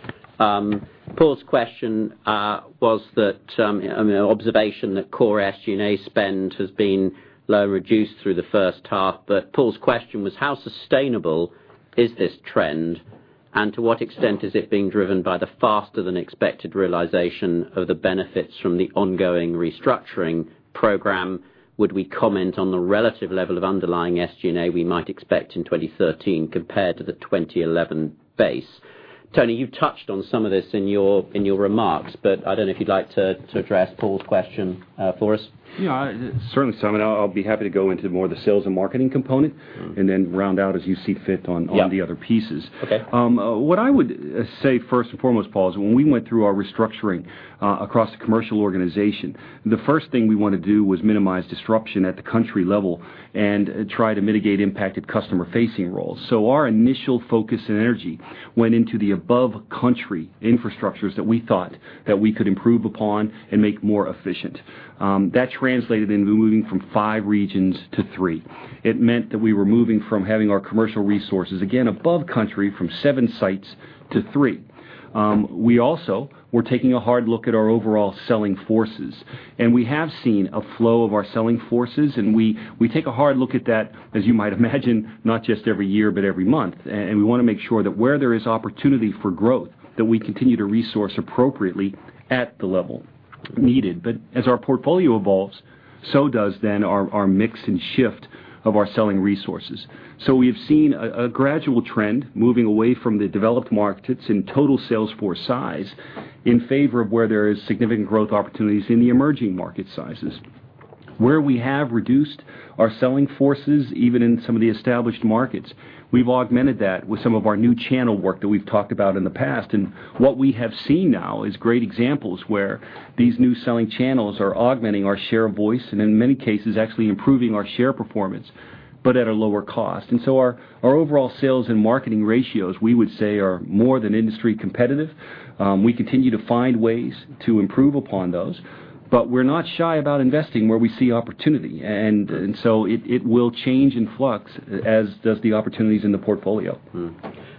Paul's question was that observation that core SG&A spend has been low, reduced through the first half. Paul's question was, "How sustainable is this trend, and to what extent is it being driven by the faster than expected realization of the benefits from the ongoing restructuring program? Would we comment on the relative level of underlying SG&A we might expect in 2013 compared to the 2011 base?" Tony, you've touched on some of this in your remarks, but I don't know if you'd like to address Paul's question for us. Yeah. Certainly, Simon. I'll be happy to go into more of the sales and marketing component, then round out as you see fit on- Yeah. the other pieces. Okay. What I would say first and foremost, Paul, is when we went through our restructuring across the commercial organization, the first thing we want to do was minimize disruption at the country level and try to mitigate impacted customer-facing roles. Our initial focus and energy went into the above country infrastructures that we thought that we could improve upon and make more efficient. That translated into moving from five regions to three. It meant that we were moving from having our commercial resources, again, above country, from seven sites to three. We also were taking a hard look at our overall selling forces, and we have seen a flow of our selling forces, and we take a hard look at that, as you might imagine, not just every year, but every month. We want to make sure that where there is opportunity for growth, that we continue to resource appropriately at the level needed. As our portfolio evolves, so does then our mix and shift of our selling resources. We've seen a gradual trend moving away from the developed markets in total sales force size in favor of where there is significant growth opportunities in the emerging market sizes. Where we have reduced our selling forces, even in some of the established markets, we've augmented that with some of our new channel work that we've talked about in the past. What we have seen now is great examples where these new selling channels are augmenting our share of voice, and in many cases, actually improving our share performance, but at a lower cost. Our overall sales and marketing ratios, we would say, are more than industry competitive. We continue to find ways to improve upon those, but we're not shy about investing where we see opportunity. It will change in flux, as does the opportunities in the portfolio.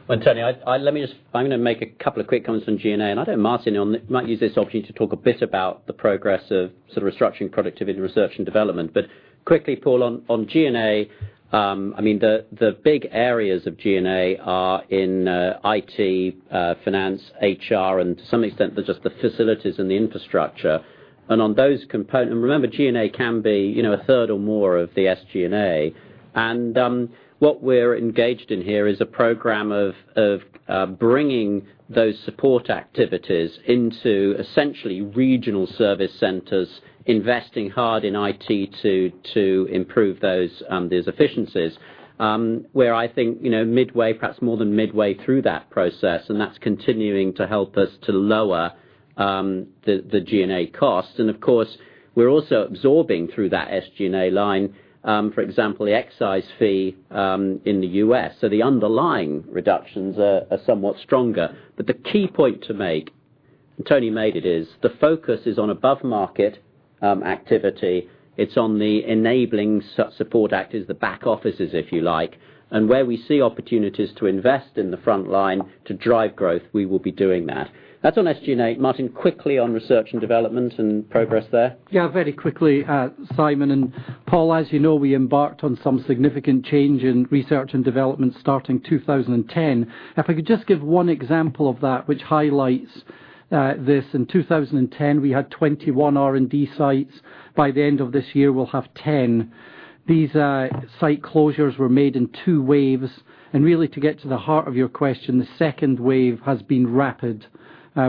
Well, Tony, I'm going to make a couple of quick comments on G&A, I know Martin might use this opportunity to talk a bit about the progress of sort of restructuring productivity, research and development. Quickly, Paul, on G&A, the big areas of G&A are in IT, finance, HR, and to some extent, they're just the facilities and the infrastructure. On those components. Remember G&A can be a third or more of the SG&A. What we're engaged in here is a program of bringing those support activities into essentially regional service centers, investing hard in IT to improve those efficiencies, where I think perhaps more than midway through that process, that's continuing to help us to lower the G&A costs. Of course, we're also absorbing through that SG&A line, for example, the excise fee in the U.S. The underlying reductions are somewhat stronger. The key point to make, and Tony made it, is the focus is on above-market activity. It's on the enabling support act is the back offices, if you like, and where we see opportunities to invest in the front line to drive growth, we will be doing that. That's on SG&A. Martin, quickly on research and development and progress there. Yeah, very quickly, Simon and Paul. As you know, we embarked on some significant change in research and development starting 2010. If I could just give one example of that which highlights this. In 2010, we had 21 R&D sites. By the end of this year, we'll have 10. These site closures were made in two waves, and really to get to the heart of your question, the second wave has been rapid.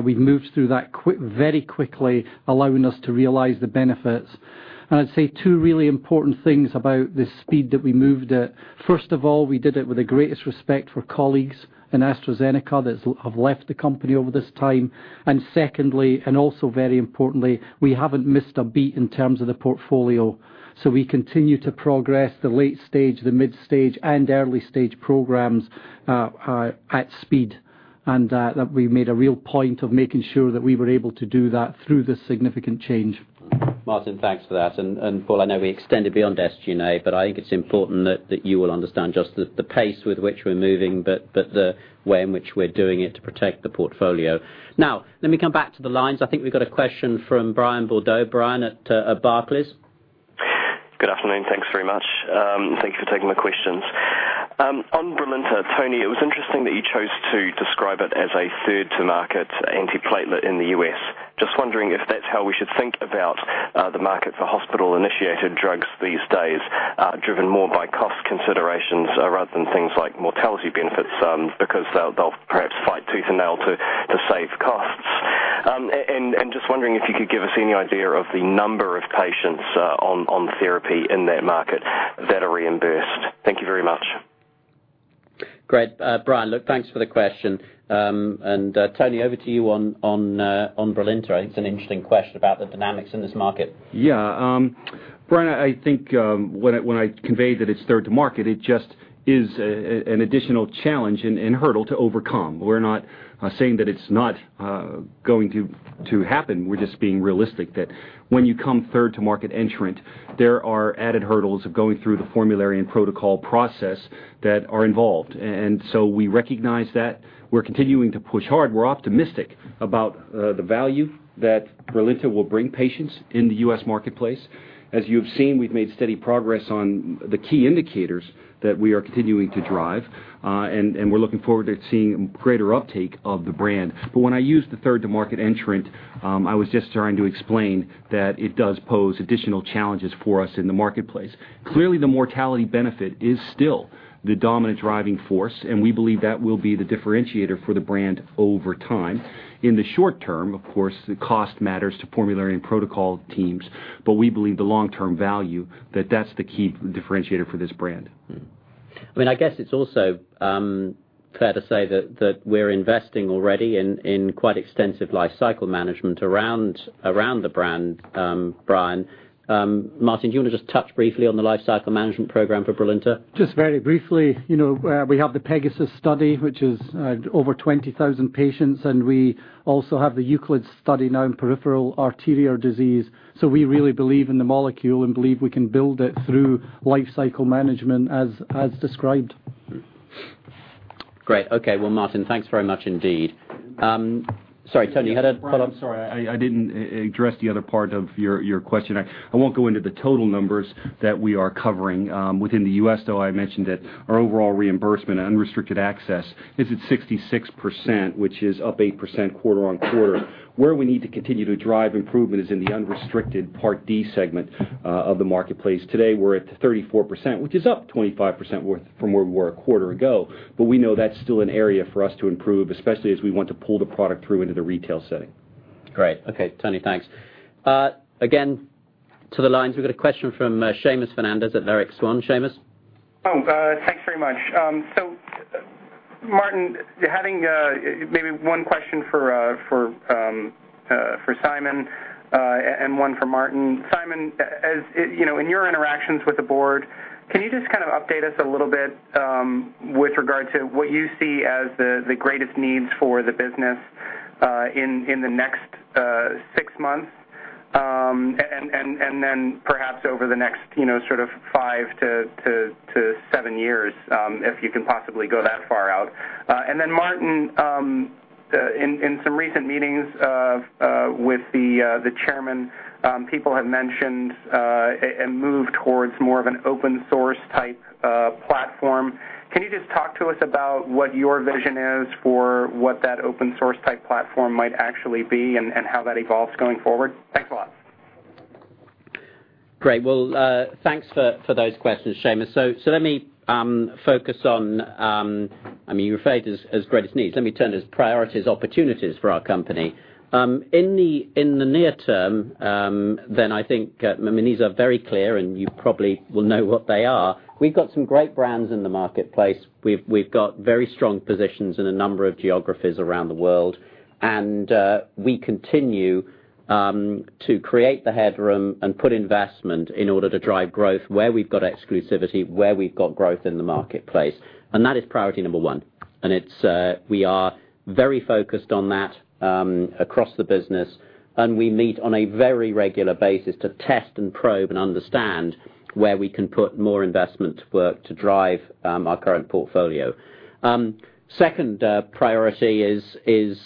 We've moved through that very quickly, allowing us to realize the benefits. I'd say two really important things about the speed that we moved at. First of all, we did it with the greatest respect for colleagues in AstraZeneca that have left the company over this time. Secondly, and also very importantly, we haven't missed a beat in terms of the portfolio. We continue to progress the late stage, the mid stage, and early stage programs at speed, and that we made a real point of making sure that we were able to do that through this significant change. Martin, thanks for that. Paul, I know we extended beyond SG&A, but I think it's important that you will understand just the pace with which we're moving, but the way in which we're doing it to protect the portfolio. Now, let me come back to the lines. I think we've got a question from Brian Boral. Brian at Barclays. Good afternoon. Thanks very much. Thank you for taking my questions. On Brilinta, Tony, it was interesting that you chose to describe it as a third to market antiplatelet in the U.S. Just wondering if that's how we should think about the market for hospital-initiated drugs these days, driven more by cost considerations rather than things like mortality benefits, because they'll perhaps fight tooth and nail to save costs. Just wondering if you could give us any idea of the number of patients on therapy in that market that are reimbursed. Thank you very much. Great. Brian, look, thanks for the question. Tony, over to you on Brilinta. It's an interesting question about the dynamics in this market. Yeah. Brian, I think when I conveyed that it's third to market, it just is an additional challenge and hurdle to overcome. We're not saying that it's not going to happen. We're just being realistic that when you come third to market entrant, there are added hurdles of going through the formulary and protocol process that are involved. We recognize that. We're continuing to push hard. We're optimistic about the value that Brilinta will bring patients in the U.S. marketplace. As you've seen, we've made steady progress on the key indicators that we are continuing to drive, we're looking forward to seeing greater uptake of the brand. When I used the third to market entrant, I was just trying to explain that it does pose additional challenges for us in the marketplace. Clearly, the mortality benefit is still the dominant driving force, we believe that will be the differentiator for the brand over time. In the short term, of course, the cost matters to formulary and protocol teams, we believe the long-term value, that that's the key differentiator for this brand. I guess it's also fair to say that we're investing already in quite extensive lifecycle management around the brand, Brian. Martin, do you want to just touch briefly on the lifecycle management program for Brilinta? Just very briefly. We have the PEGASUS study, which is over 20,000 patients, and we also have the EUCLID study now in peripheral arterial disease. We really believe in the molecule and believe we can build it through lifecycle management as described. Okay. Martin, thanks very much indeed. Sorry, Tony, you had a follow-up? Brian, I'm sorry. I didn't address the other part of your question. I won't go into the total numbers that we are covering within the U.S., though I mentioned that our overall reimbursement and unrestricted access is at 66%, which is up 8% quarter-on-quarter. Where we need to continue to drive improvement is in the unrestricted Part D segment of the marketplace. Today, we're at 34%, which is up 25% from where we were a quarter ago. We know that's still an area for us to improve, especially as we want to pull the product through into the retail setting. Great. Okay. Tony, thanks. To the lines, we've got a question from Seamus Fernandez at Leerink Swann. Seamus? Thanks very much. Martin, having maybe one question for Simon and one for Martin. Simon, in your interactions with the board, can you just kind of update us a little bit with regard to what you see as the greatest needs for the business in the next six months? Perhaps over the next five to seven years, if you can possibly go that far out. Martin, in some recent meetings with the chairman, people have mentioned a move towards more of an open source type platform. Can you just talk to us about what your vision is for what that open source type platform might actually be and how that evolves going forward? Thanks a lot. Great. Thanks for those questions, Seamus. Let me focus on, you referred as greatest needs. Let me turn as priorities, opportunities for our company. In the near term, these are very clear and you probably will know what they are. We've got some great brands in the marketplace. We've got very strong positions in a number of geographies around the world, and we continue to create the headroom and put investment in order to drive growth where we've got exclusivity, where we've got growth in the marketplace. That is priority one. We are very focused on that across the business, and we meet on a very regular basis to test and probe and understand where we can put more investment to work to drive our current portfolio. Second priority is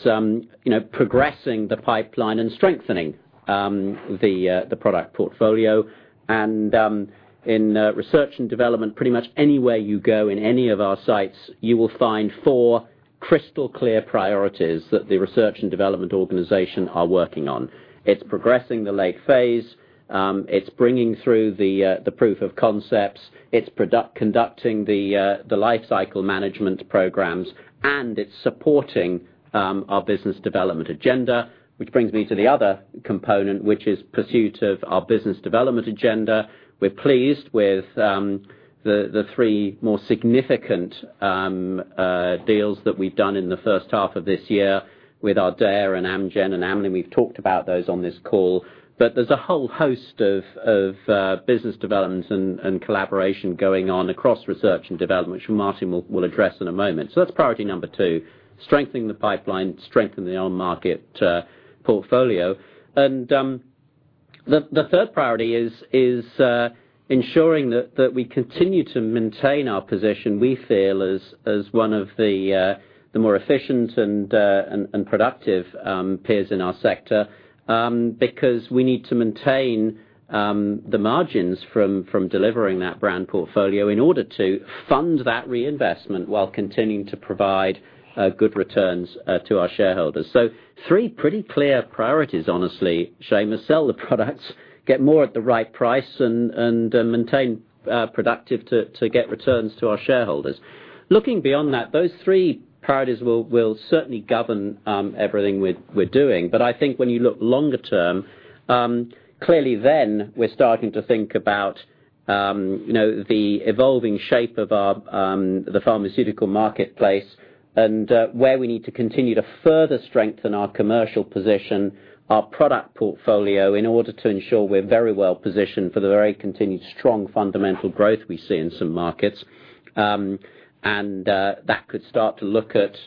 progressing the pipeline and strengthening the product portfolio. In research and development, pretty much anywhere you go in any of our sites, you will find four crystal clear priorities that the research and development organization are working on. It's progressing the late phase, it's bringing through the proof of concepts, it's conducting the life cycle management programs, and it's supporting our business development agenda. Which brings me to the other component, which is pursuit of our business development agenda. We're pleased with the three more significant deals that we've done in the first half of this year with Ardea and Amgen and Amneal. We've talked about those on this call. There's a whole host of business development and collaboration going on across research and development, which Martin will address in a moment. That's priority two, strengthening the pipeline, strengthen the on-market portfolio. The third priority is ensuring that we continue to maintain our position, we feel, as one of the more efficient and productive peers in our sector, because we need to maintain the margins from delivering that brand portfolio in order to fund that reinvestment while continuing to provide good returns to our shareholders. Three pretty clear priorities, honestly, Seamus. Sell the products, get more at the right price, and maintain productivity to get returns to our shareholders. Looking beyond that, those three priorities will certainly govern everything we're doing. I think when you look longer term, clearly then we're starting to think about the evolving shape of the pharmaceutical marketplace and where we need to continue to further strengthen our commercial position, our product portfolio, in order to ensure we're very well positioned for the very continued strong fundamental growth we see in some markets. That could start to look at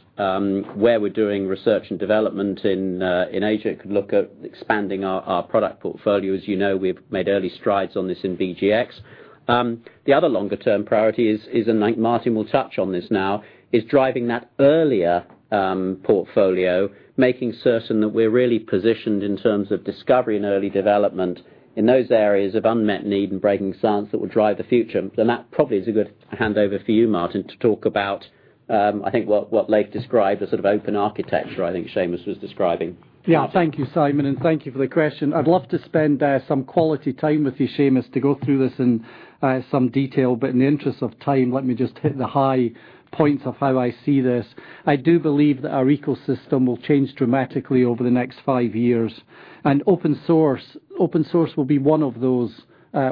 where we're doing research and development in Asia. It could look at expanding our product portfolio. As you know, we've made early strides on this in BGx. The other longer term priority is, Martin will touch on this now, is driving that earlier portfolio, making certain that we're really positioned in terms of discovery and early development in those areas of unmet need and breaking science that will drive the future. That probably is a good handover for you, Martin, to talk about, I think, what Leif described as sort of open architecture, I think Seamus was describing. Thank you, Simon, and thank you for the question. I'd love to spend some quality time with you, Seamus, to go through this in some detail, in the interest of time, let me just hit the high points of how I see this. I do believe that our ecosystem will change dramatically over the next five years. Open source will be one of those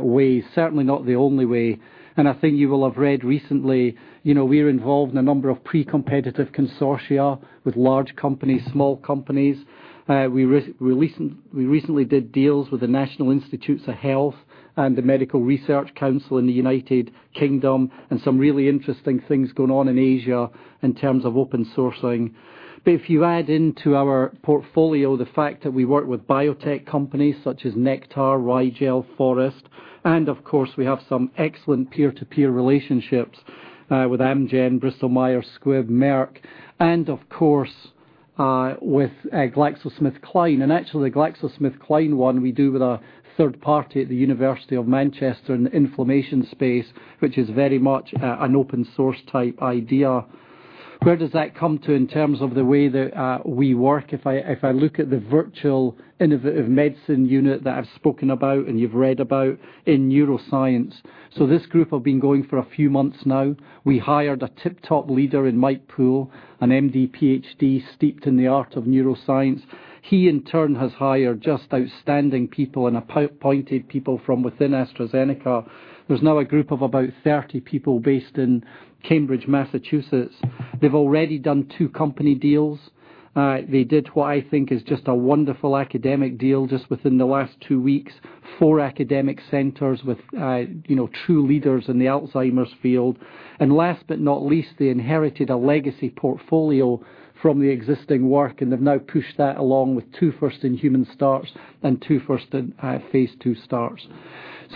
ways, certainly not the only way. I think you will have read recently, we're involved in a number of pre-competitive consortia with large companies, small companies. We recently did deals with the National Institutes of Health and the Medical Research Council in the U.K. and some really interesting things going on in Asia in terms of open sourcing. If you add into our portfolio the fact that we work with biotech companies such as Nektar, Rigel, Forest, and of course, we have some excellent peer-to-peer relationships with Amgen, Bristol-Myers Squibb, Merck, and of course, with GlaxoSmithKline. Actually the GlaxoSmithKline one we do with a third party at the University of Manchester in the inflammation space, which is very much an open source type idea. Where does that come to in terms of the way that we work? If I look at the virtual innovative medicine unit that I've spoken about and you've read about in neuroscience. This group have been going for a few months now. We hired a tip-top leader in Mike Poole, an MD PhD steeped in the art of neuroscience. He, in turn, has hired just outstanding people and appointed people from within AstraZeneca. There's now a group of about 30 people based in Cambridge, Massachusetts. They've already done two company deals. They did what I think is just a wonderful academic deal just within the last two weeks. Four academic centers with true leaders in the Alzheimer's field. Last but not least, they inherited a legacy portfolio from the existing work, and they've now pushed that along with two first-in-human starts and two first-in-phase II starts.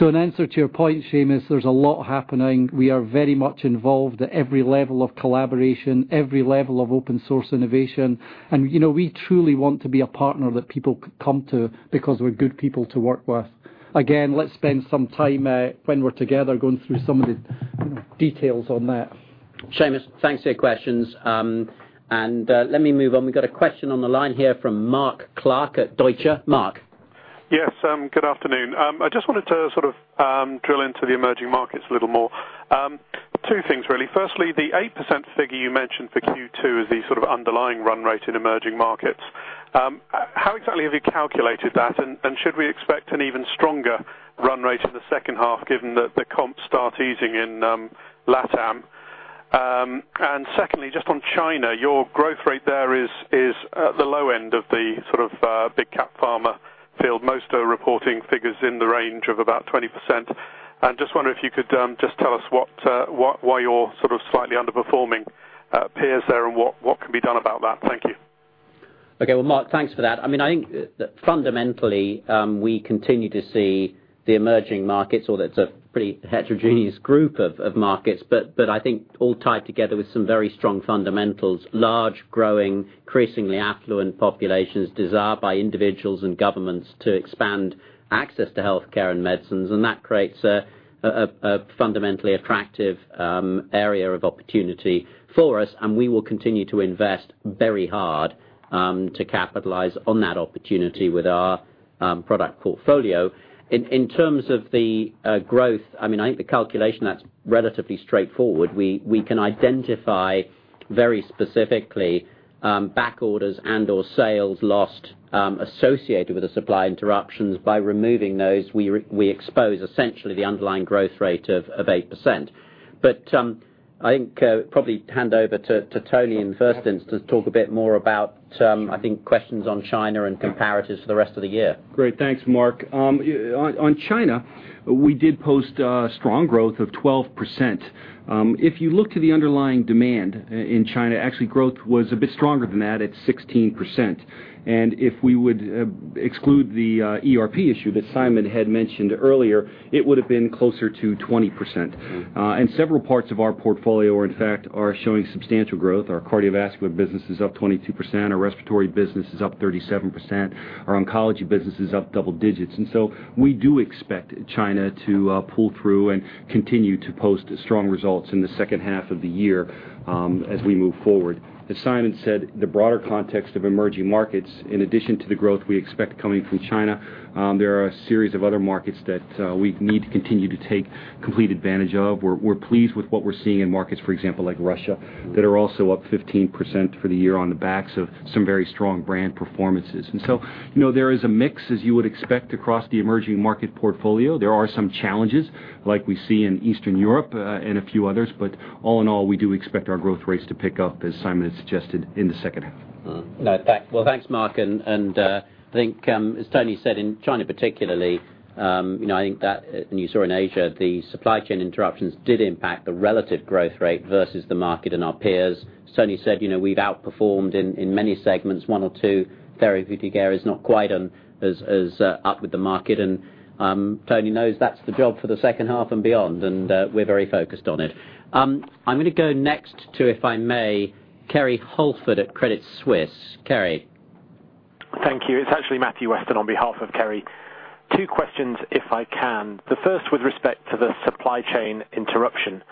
In answer to your point, Seamus, there's a lot happening. We are very much involved at every level of collaboration, every level of open source innovation, and we truly want to be a partner that people come to because we're good people to work with. Again, let's spend some time when we're together, going through some of the details on that. Seamus, thanks for your questions. Let me move on. We've got a question on the line here from Mark Clark at Deutsche. Mark. Yes, good afternoon. I just wanted to sort of drill into the emerging markets a little more. Two things, really. Firstly, the 8% figure you mentioned for Q2 is the sort of underlying run rate in emerging markets. How exactly have you calculated that, and should we expect an even stronger run rate in the second half given that the comps start easing in LATAM? Secondly, just on China, your growth rate there is at the low end of the sort of big cap pharma field. Most are reporting figures in the range of about 20%. Just wonder if you could just tell us why you're sort of slightly underperforming peers there, and what can be done about that? Thank you. Okay. Well, Mark, thanks for that. I think that fundamentally, we continue to see the emerging markets, or it's a pretty heterogeneous group of markets, but I think all tied together with some very strong fundamentals, large, growing, increasingly affluent populations desired by individuals and governments to expand access to healthcare and medicines, and that creates a fundamentally attractive area of opportunity for us, and we will continue to invest very hard, to capitalize on that opportunity with our product portfolio. In terms of the growth, I think the calculation, that's relatively straightforward. We can identify very specifically, back orders and/or sales lost associated with the supply interruptions. By removing those, we expose essentially the underlying growth rate of 8%. I think probably hand over to Tony in the first instance to talk a bit more about I think questions on China and comparatives for the rest of the year. Great. Thanks, Mark. On China, we did post strong growth of 12%. If you look to the underlying demand in China, actually growth was a bit stronger than that at 16%. If we would exclude the ERP issue that Simon had mentioned earlier, it would've been closer to 20%. Several parts of our portfolio are in fact showing substantial growth. Our cardiovascular business is up 22%. Our respiratory business is up 37%. Our oncology business is up double digits. We do expect China to pull through and continue to post strong results in the second half of the year as we move forward. As Simon said, the broader context of emerging markets, in addition to the growth we expect coming from China, there are a series of other markets that we need to continue to take complete advantage of. We're pleased with what we're seeing in markets, for example, like Russia, that are also up 15% for the year on the backs of some very strong brand performances. There is a mix, as you would expect, across the emerging market portfolio. There are some challenges, like we see in Eastern Europe, and a few others, all in all, we do expect our growth rates to pick up, as Simon has suggested, in the second half. Thanks, Mark, I think, as Tony said, in China particularly, I think that, and you saw in Asia, the supply chain interruptions did impact the relative growth rate versus the market and our peers. Tony said we've outperformed in many segments. One or two therapy areas not quite as up with the market, and Tony knows that's the job for the second half and beyond, and we're very focused on it. I'm going to go next to, if I may, Kerry Holford at Credit Suisse. Kerry. Thank you. It's actually Matthew Weston on behalf of Kerry. Two questions, if I can. The first with respect to the supply chain interruption.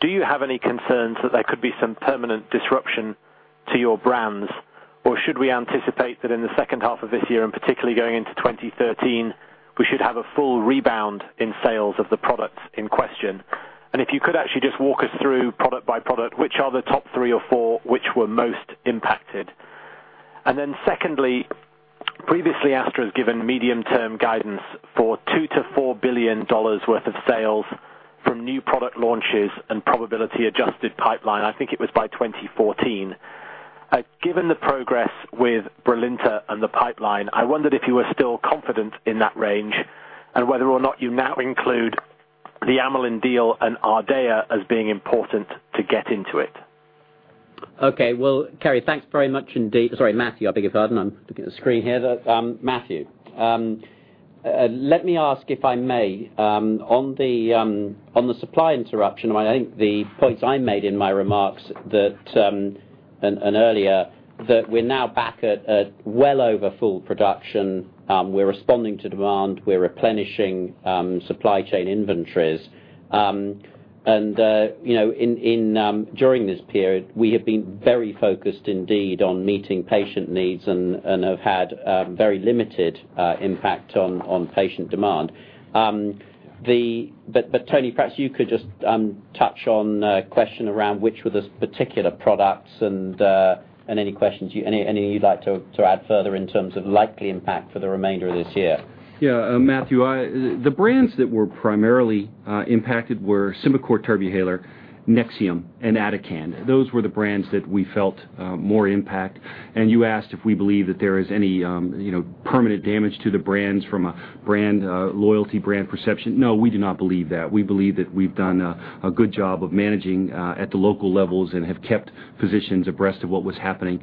Do you have any concerns that there could be some permanent disruption to your brands, or should we anticipate that in the second half of this year, and particularly going into 2013, we should have a full rebound in sales of the products in question? If you could actually just walk us through product by product, which are the top three or four which were most impacted? Secondly, previously AstraZeneca has given medium-term guidance for $2 billion to $4 billion worth of sales from new product launches and probability adjusted pipeline, I think it was by 2014. Given the progress with Brilinta and the pipeline, I wondered if you were still confident in that range and whether or not you now include the Amylin deal and Ardea as being important to get into it. Well, Kerry, thanks very much indeed. Sorry, Matthew, I beg your pardon. I'm looking at the screen here. Matthew. Let me ask, if I may, on the supply interruption. I think the points I made in my remarks and earlier, that we're now back at well over full production. We're responding to demand. We're replenishing supply chain inventories. During this period, we have been very focused indeed on meeting patient needs and have had very limited impact on patient demand. Tony, perhaps you could just touch on a question around which were the particular products and any you'd like to add further in terms of likely impact for the remainder of this year? Matthew, the brands that were primarily impacted were Symbicort Turbuhaler, Nexium, and Atacand. Those were the brands that we felt more impact. You asked if we believe that there is any permanent damage to the brands from a brand loyalty, brand perception. No, we do not believe that. We believe that we've done a good job of managing at the local levels and have kept physicians abreast of what was happening.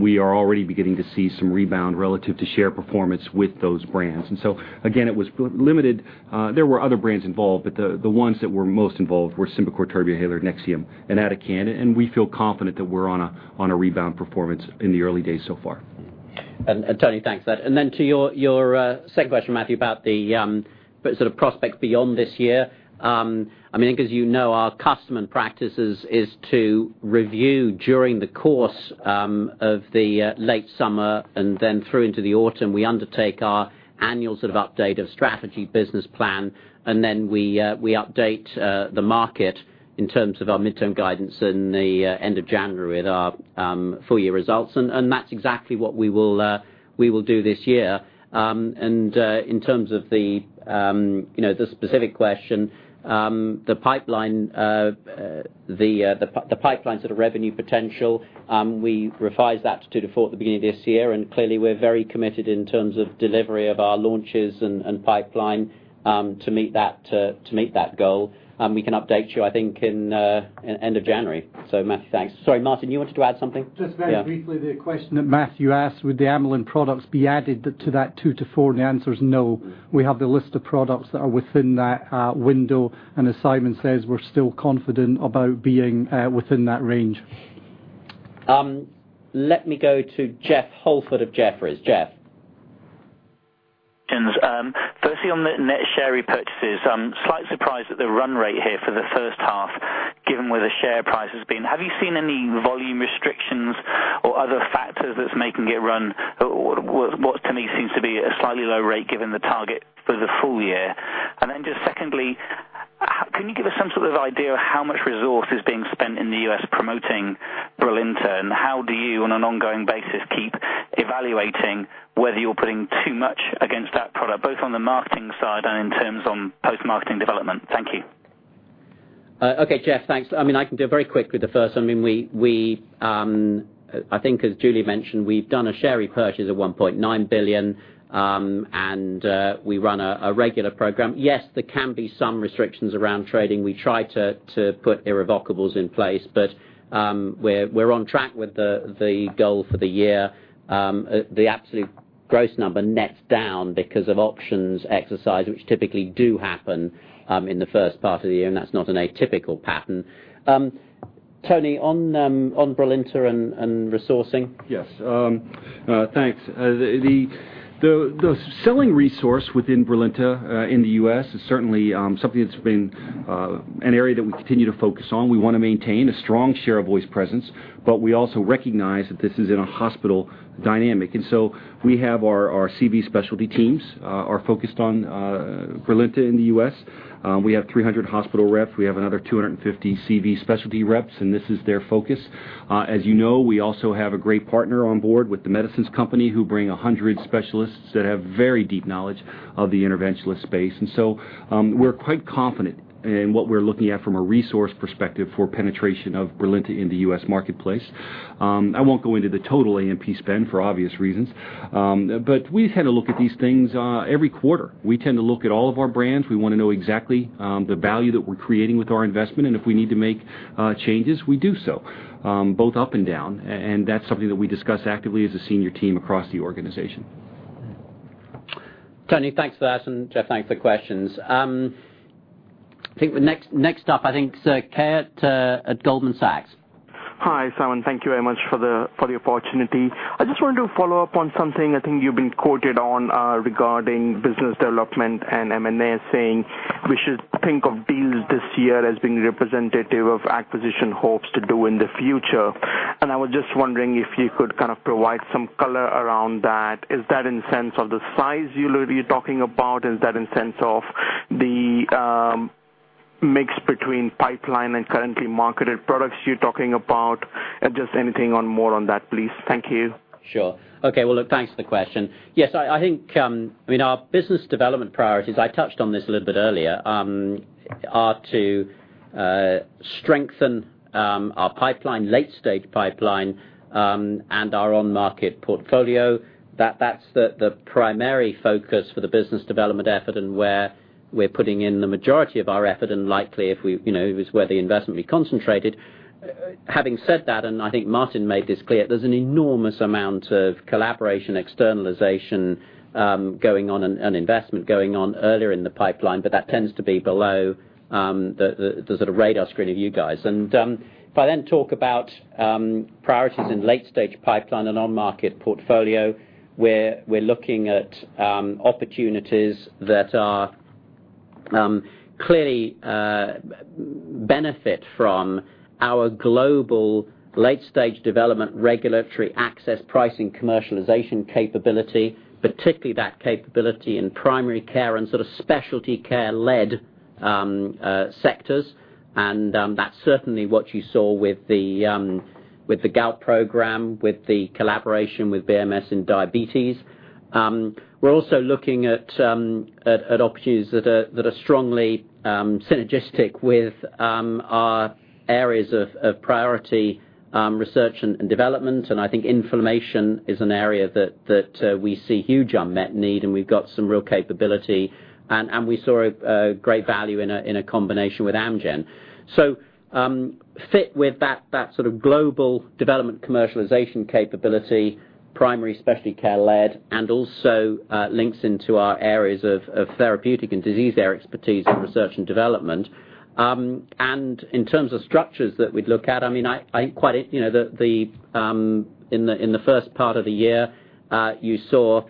We are already beginning to see some rebound relative to share performance with those brands. Again, it was limited. There were other brands involved, but the ones that were most involved were Symbicort Turbuhaler, Nexium, and Atacand. We feel confident that we're on a rebound performance in the early days so far. Tony, thanks. Then to your second question, Matthew, about the sort of prospect beyond this year. As you know, our custom and practices is to review during the course of the late summer and then through into the autumn, we undertake our annual sort of update of strategy business plan, and then we update the market in terms of our midterm guidance in the end of January with our full-year results. That's exactly what we will do this year. In terms of the specific question, the pipeline sort of revenue potential, we revised that to two to four at the beginning of this year. Clearly, we're very committed in terms of delivery of our launches and pipeline to meet that goal. We can update you, I think, in end of January. Matthew, thanks. Sorry, Martin, you wanted to add something? Just very briefly, the question that Matthew asked, would the Amylin products be added to that two to four? The answer is no. We have the list of products that are within that window, as Simon says, we're still confident about being within that range. Let me go to Jeff Holford of Jefferies. Jeff. Thanks. Firstly, on the net share repurchases, I'm slightly surprised at the run rate here for the first half, given where the share price has been. Have you seen any volume restrictions or other factors that's making it run, what to me seems to be a slightly low rate given the target for the full year? Then just secondly, can you give us some sort of idea of how much resource is being spent in the U.S. promoting Brilinta, and how do you, on an ongoing basis, keep evaluating whether you're putting too much against that product, both on the marketing side and in terms on post-marketing development? Thank you. Okay, Jeff, thanks. I can do it very quickly, the first. As Julie mentioned, we've done a share repurchase of $1.9 billion, and we run a regular program. Yes, there can be some restrictions around trading. We try to put irrevocables in place. We're on track with the goal for the year. The absolute gross number nets down because of options exercised, which typically do happen in the first part of the year, and that's not an atypical pattern. Tony, on Brilinta and resourcing? Yes. Thanks. The selling resource within Brilinta in the U.S. is certainly something that's been an area that we continue to focus on. We want to maintain a strong share of voice presence, but we also recognize that this is in a hospital dynamic. We have our CV specialty teams are focused on Brilinta in the U.S. We have 300 hospital reps. We have another 250 CV specialty reps, and this is their focus. As you know, we also have a great partner on board with The Medicines Company, who bring 100 specialists that have very deep knowledge of the interventionalist space. We're quite confident in what we're looking at from a resource perspective for penetration of Brilinta in the U.S. marketplace. I won't go into the total AMP spend for obvious reasons. We kind of look at these things every quarter. We tend to look at all of our brands. We want to know exactly the value that we're creating with our investment, and if we need to make changes, we do so, both up and down. That's something that we discuss actively as a senior team across the organization. Tony, thanks for that, and Jeff, thanks for the questions. I think next up, I think Sachin Jain at Goldman Sachs. Hi, Simon. Thank you very much for the opportunity. I just wanted to follow up on something I think you've been quoted on regarding business development and M&A, saying we should think of deals this year as being representative of acquisition hopes to do in the future. I was just wondering if you could kind of provide some color around that. Is that in sense of the size you're talking about? Is that in sense of the mix between pipeline and currently marketed products you're talking about? Just anything on more on that, please. Thank you. Sure. Okay, well, look, thanks for the question. Yes, I think our business development priorities, I touched on this a little bit earlier, are to strengthen our pipeline, late-stage pipeline, and our on-market portfolio. That's the primary focus for the business development effort and where we're putting in the majority of our effort, and likely is where the investment will be concentrated. Having said that, I think Martin made this clear, there's an enormous amount of collaboration, externalization, going on, and investment going on earlier in the pipeline, but that tends to be below the sort of radar screen of you guys. If I then talk about priorities in late-stage pipeline and on-market portfolio, where we're looking at opportunities that clearly benefit from our global late-stage development, regulatory access, pricing, commercialization capability, particularly that capability in primary care and sort of specialty care-led sectors. That's certainly what you saw with the gout program, with the collaboration with BMS and diabetes. We're also looking at opportunities that are strongly synergistic with our areas of priority research and development. I think inflammation is an area that we see huge unmet need, and we've got some real capability, and we saw a great value in a combination with Amgen. Fit with that sort of global development commercialization capability, primary specialty care-led, and also links into our areas of therapeutic and disease area expertise in research and development. In terms of structures that we'd look at, in the first part of the year, you saw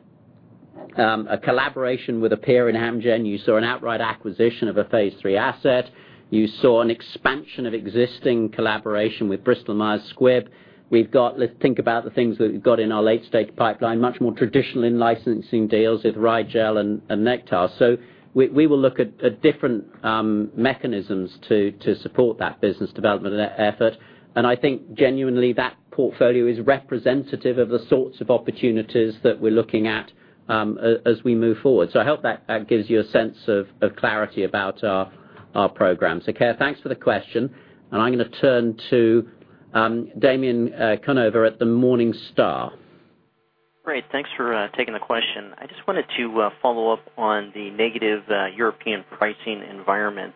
a collaboration with a peer in Amgen. You saw an outright acquisition of a phase III asset. You saw an expansion of existing collaboration with Bristol Myers Squibb. Think about the things that we've got in our late-stage pipeline, much more traditional in licensing deals with Rigel and Nektar. We will look at different mechanisms to support that business development effort. I think genuinely that portfolio is representative of the sorts of opportunities that we're looking at as we move forward. I hope that gives you a sense of clarity about our program. Kerry, thanks for the question. I'm going to turn to Damien Conover at the Morningstar. Great. Thanks for taking the question. I just wanted to follow up on the negative European pricing environment.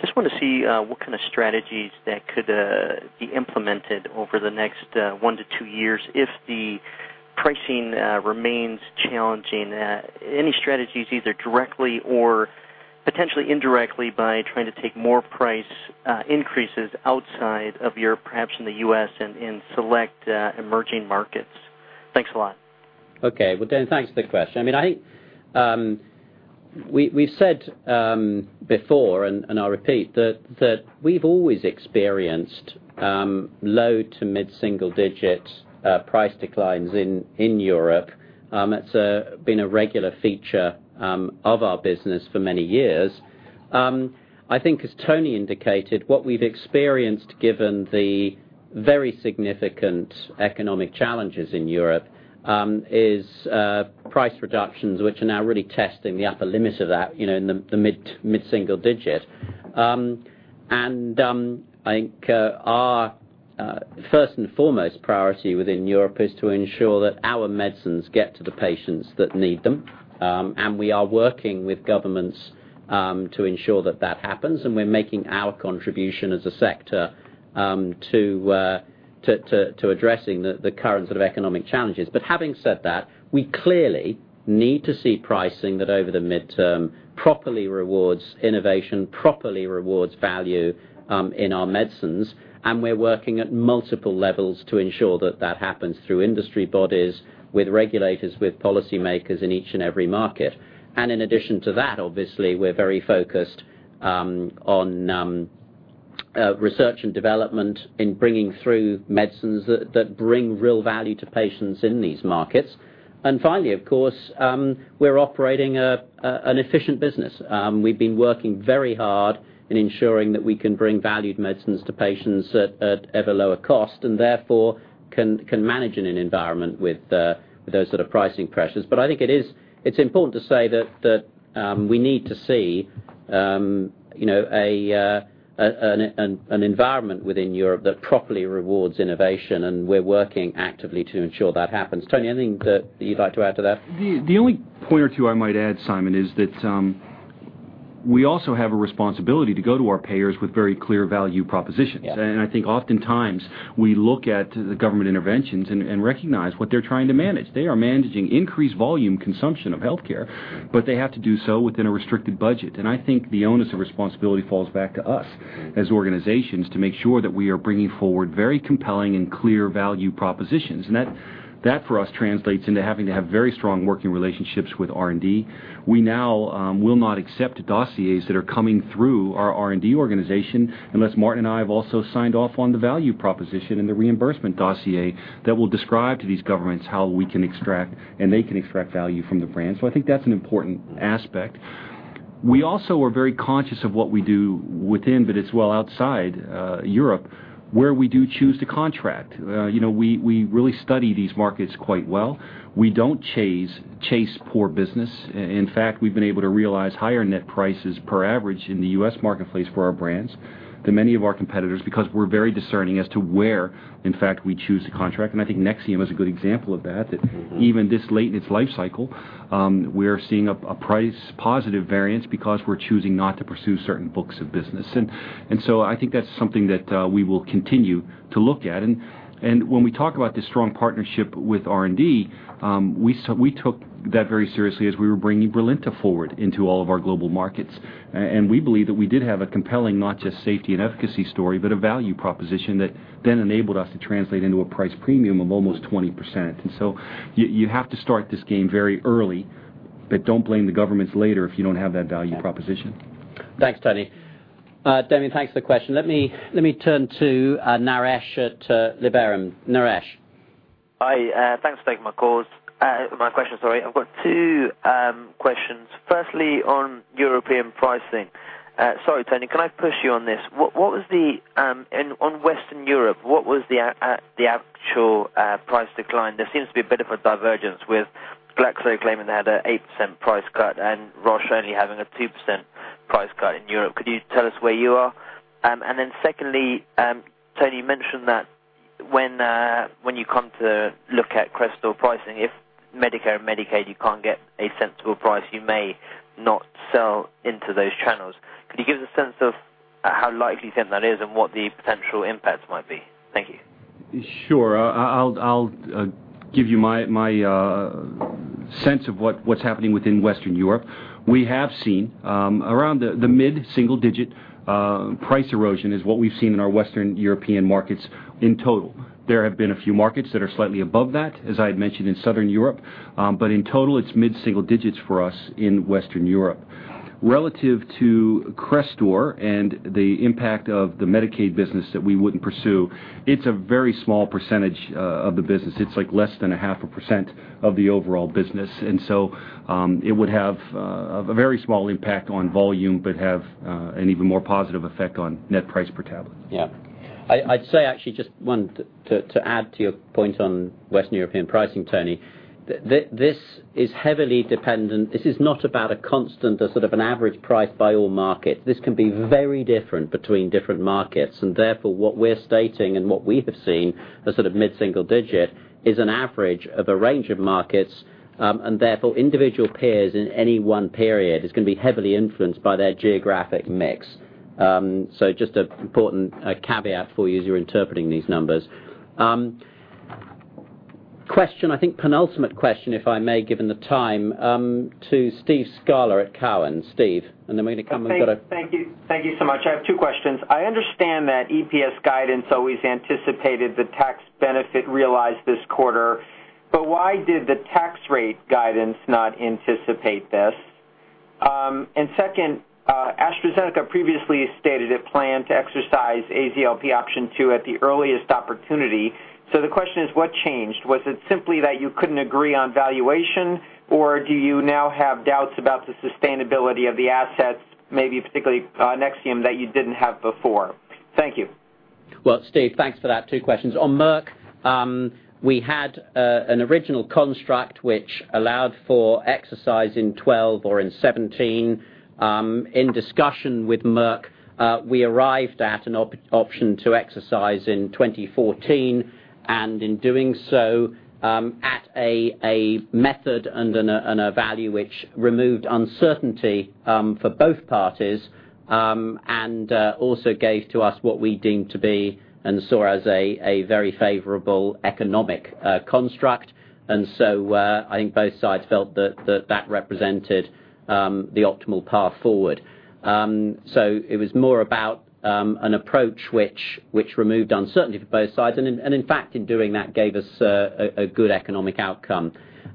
Just want to see what kind of strategies that could be implemented over the next one to two years if the pricing remains challenging. Any strategies either directly or potentially indirectly by trying to take more price increases outside of Europe, perhaps in the U.S. and in select emerging markets. Thanks a lot. Okay. Well, Damien, thanks for the question. I think we've said before, and I'll repeat, that we've always experienced low to mid-single digit price declines in Europe. It's been a regular feature of our business for many years. I think as Tony indicated, what we've experienced, given the very significant economic challenges in Europe, is price reductions, which are now really testing the upper limit of that, in the mid-single digit. Having said that, we clearly need to see pricing that over the midterm properly rewards innovation, properly rewards value in our medicines. We're working at multiple levels to ensure that that happens through industry bodies, with regulators, with policymakers in each and every market. In addition to that, obviously, we're very focused on research and development in bringing through medicines that bring real value to patients in these markets. Finally, of course, we're operating an efficient business. We've been working very hard in ensuring that we can bring valued medicines to patients at ever lower cost, and therefore can manage in an environment with those sort of pricing pressures. I think it's important to say that we need to see an environment within Europe that properly rewards innovation, and we're working actively to ensure that happens. Tony, anything that you'd like to add to that? The only point or two I might add, Simon, is that we also have a responsibility to go to our payers with very clear value propositions. Yeah. Oftentimes we look at the government interventions and recognize what they're trying to manage. They are managing increased volume consumption of healthcare, but they have to do so within a restricted budget. The onus of responsibility falls back to us as organizations to make sure that we are bringing forward very compelling and clear value propositions. That for us translates into having to have very strong working relationships with R&D. We now will not accept dossiers that are coming through our R&D organization unless Martin and I have also signed off on the value proposition and the reimbursement dossier that will describe to these governments how we can extract, and they can extract value from the brand. I think that's an important aspect. We also are very conscious of what we do within, but as well outside Europe, where we do choose to contract. We really study these markets quite well. We don't chase poor business. In fact, we've been able to realize higher net prices per average in the U.S. marketplace for our brands than many of our competitors because we're very discerning as to where, in fact, we choose to contract. I think Nexium is a good example of that. Even this late in its life cycle, we're seeing a price positive variance because we're choosing not to pursue certain books of business. I think that's something that we will continue to look at. When we talk about this strong partnership with R&D, we took that very seriously as we were bringing Brilinta forward into all of our global markets. We believe that we did have a compelling, not just safety and efficacy story, but a value proposition that then enabled us to translate into a price premium of almost 20%. You have to start this game very early, but don't blame the governments later if you don't have that value proposition. Thanks, Tony. Damien, thanks for the question. Let me turn to Naresh at Liberum. Naresh. Hi, thanks for taking my question. I've got two questions. Firstly, on European pricing. Sorry, Tony, can I push you on this? On Western Europe, what was the actual price decline? There seems to be a bit of a divergence with GlaxoSmithKline claiming they had an 8% price cut and Roche only having a 2% price cut in Europe. Could you tell us where you are? Secondly, Tony, you mentioned that when you come to look at Crestor pricing, if Medicare or Medicaid, you can't get a sensible price, you may not sell into those channels. Could you give us a sense of how likely you think that is and what the potential impacts might be? Thank you. Sure. I'll give you my sense of what's happening within Western Europe. We have seen around the mid-single digit price erosion is what we've seen in our Western European markets in total. There have been a few markets that are slightly above that, as I had mentioned in Southern Europe, but in total, it's mid-single digits for us in Western Europe. Relative to Crestor and the impact of the Medicaid business that we wouldn't pursue, it's a very small percentage of the business. It's less than a half a percent of the overall business. It would have a very small impact on volume, but have an even more positive effect on net price per tablet. Yeah. I'd say, actually, just one to add to your point on Western European pricing, Tony. This is heavily dependent. This is not about a constant, a sort of an average price by all markets. This can be very different between different markets. What we're stating and what we have seen as sort of mid-single digit, is an average of a range of markets. Individual pairs in any one period is going to be heavily influenced by their geographic mix. Just an important caveat for you as you're interpreting these numbers. Question, I think penultimate question, if I may, given the time, to Steve Scala at Cowen. Steve, and then we can come to- Thank you so much. I have two questions. I understand that EPS guidance always anticipated the tax benefit realized this quarter, but why did the tax rate guidance not anticipate this? Second, AstraZeneca previously stated it planned to exercise AZLP Option 2 at the earliest opportunity. The question is, what changed? Was it simply that you couldn't agree on valuation, or do you now have doubts about the sustainability of the assets, maybe particularly Nexium, that you didn't have before? Thank you. Well, Steve, thanks for that. Two questions. On Merck, we had an original construct which allowed for exercise in 2012 or in 2017. In discussion with Merck, we arrived at an option to exercise in 2014, and in doing so, at a method and a value which removed uncertainty for both parties, and also gave to us what we deemed to be and saw as a very favorable economic construct. I think both sides felt that that represented the optimal path forward. It was more about an approach which removed uncertainty for both sides, and in fact, in doing that, gave us a good economic outcome.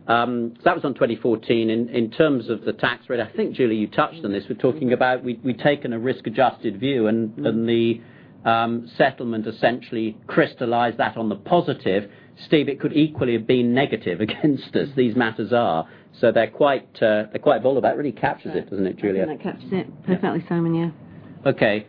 That was on 2014. In terms of the tax rate, I think, Julie, you touched on this. We're talking about we've taken a risk-adjusted view, and the settlement essentially crystallized that on the positive. Steve, it could equally have been negative against us. These matters are. They're quite volatile. That really captures it, doesn't it, Julie? That captures it perfectly, Simon. Yeah. Okay.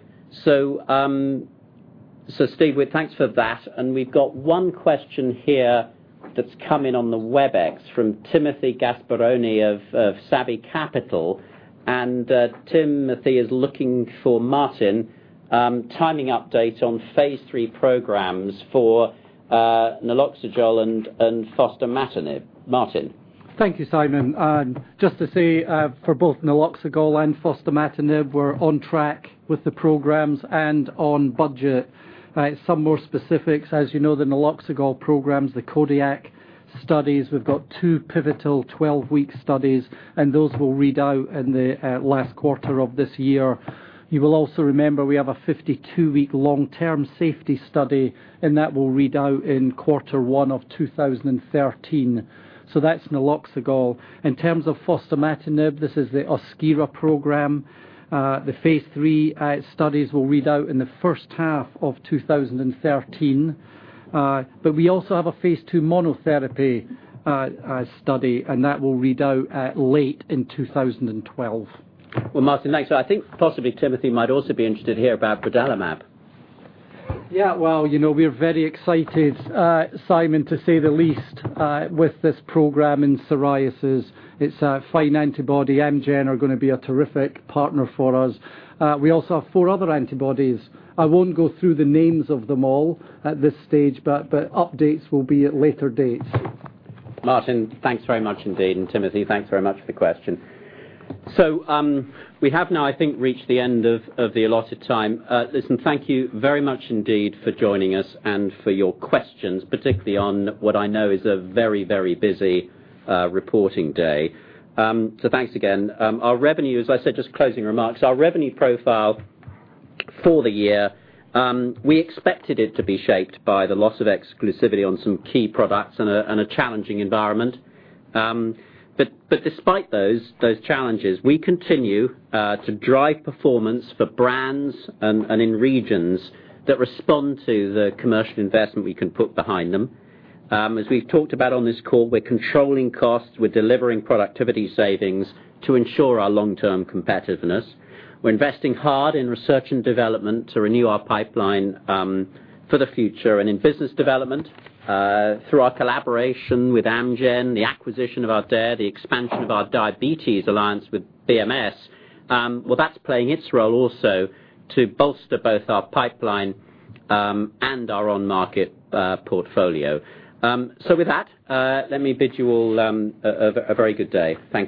Steve, thanks for that. We've got one question here that's come in on the Webex from Timothy Gasparoni of Savvy Capital. Timothy is looking for Martin. Timing update on phase III programs for naloxegol and fostamatinib. Martin. Thank you, Simon. Just to say, for both naloxegol and fostamatinib, we're on track with the programs and on budget. Some more specifics, as you know, the naloxegol programs, the KODIAC studies, we've got two pivotal 12-week studies, and those will read out in the last quarter of this year. You will also remember we have a 52-week long-term safety study, and that will read out in quarter one of 2013. That's naloxegol. In terms of fostamatinib, this is the OSKIRA program. The phase III studies will read out in the first half of 2013. We also have a phase II monotherapy study, and that will read out late in 2012. Well, Martin, thanks. I think possibly Timothy might also be interested here about brodalumab. Yeah. Well, we're very excited, Simon, to say the least, with this program in psoriasis. It's a fine antibody. Amgen are going to be a terrific partner for us. We also have four other antibodies. I won't go through the names of them all at this stage, but updates will be at later date. Martin, thanks very much indeed. Timothy, thanks very much for the question. We have now, I think, reached the end of the allotted time. Listen, thank you very much indeed for joining us and for your questions, particularly on what I know is a very, very busy reporting day. Thanks again. Our revenue, as I said, just closing remarks, our revenue profile for the year, we expected it to be shaped by the loss of exclusivity on some key products and a challenging environment. Despite those challenges, we continue to drive performance for brands and in regions that respond to the commercial investment we can put behind them. As we've talked about on this call, we're controlling costs, we're delivering productivity savings to ensure our long-term competitiveness. We're investing hard in research and development to renew our pipeline for the future and in business development, through our collaboration with Amgen, the acquisition of Ardea, the expansion of our diabetes alliance with BMS. Well, that's playing its role also to bolster both our pipeline and our on-market portfolio. With that, let me bid you all a very good day. Thanks.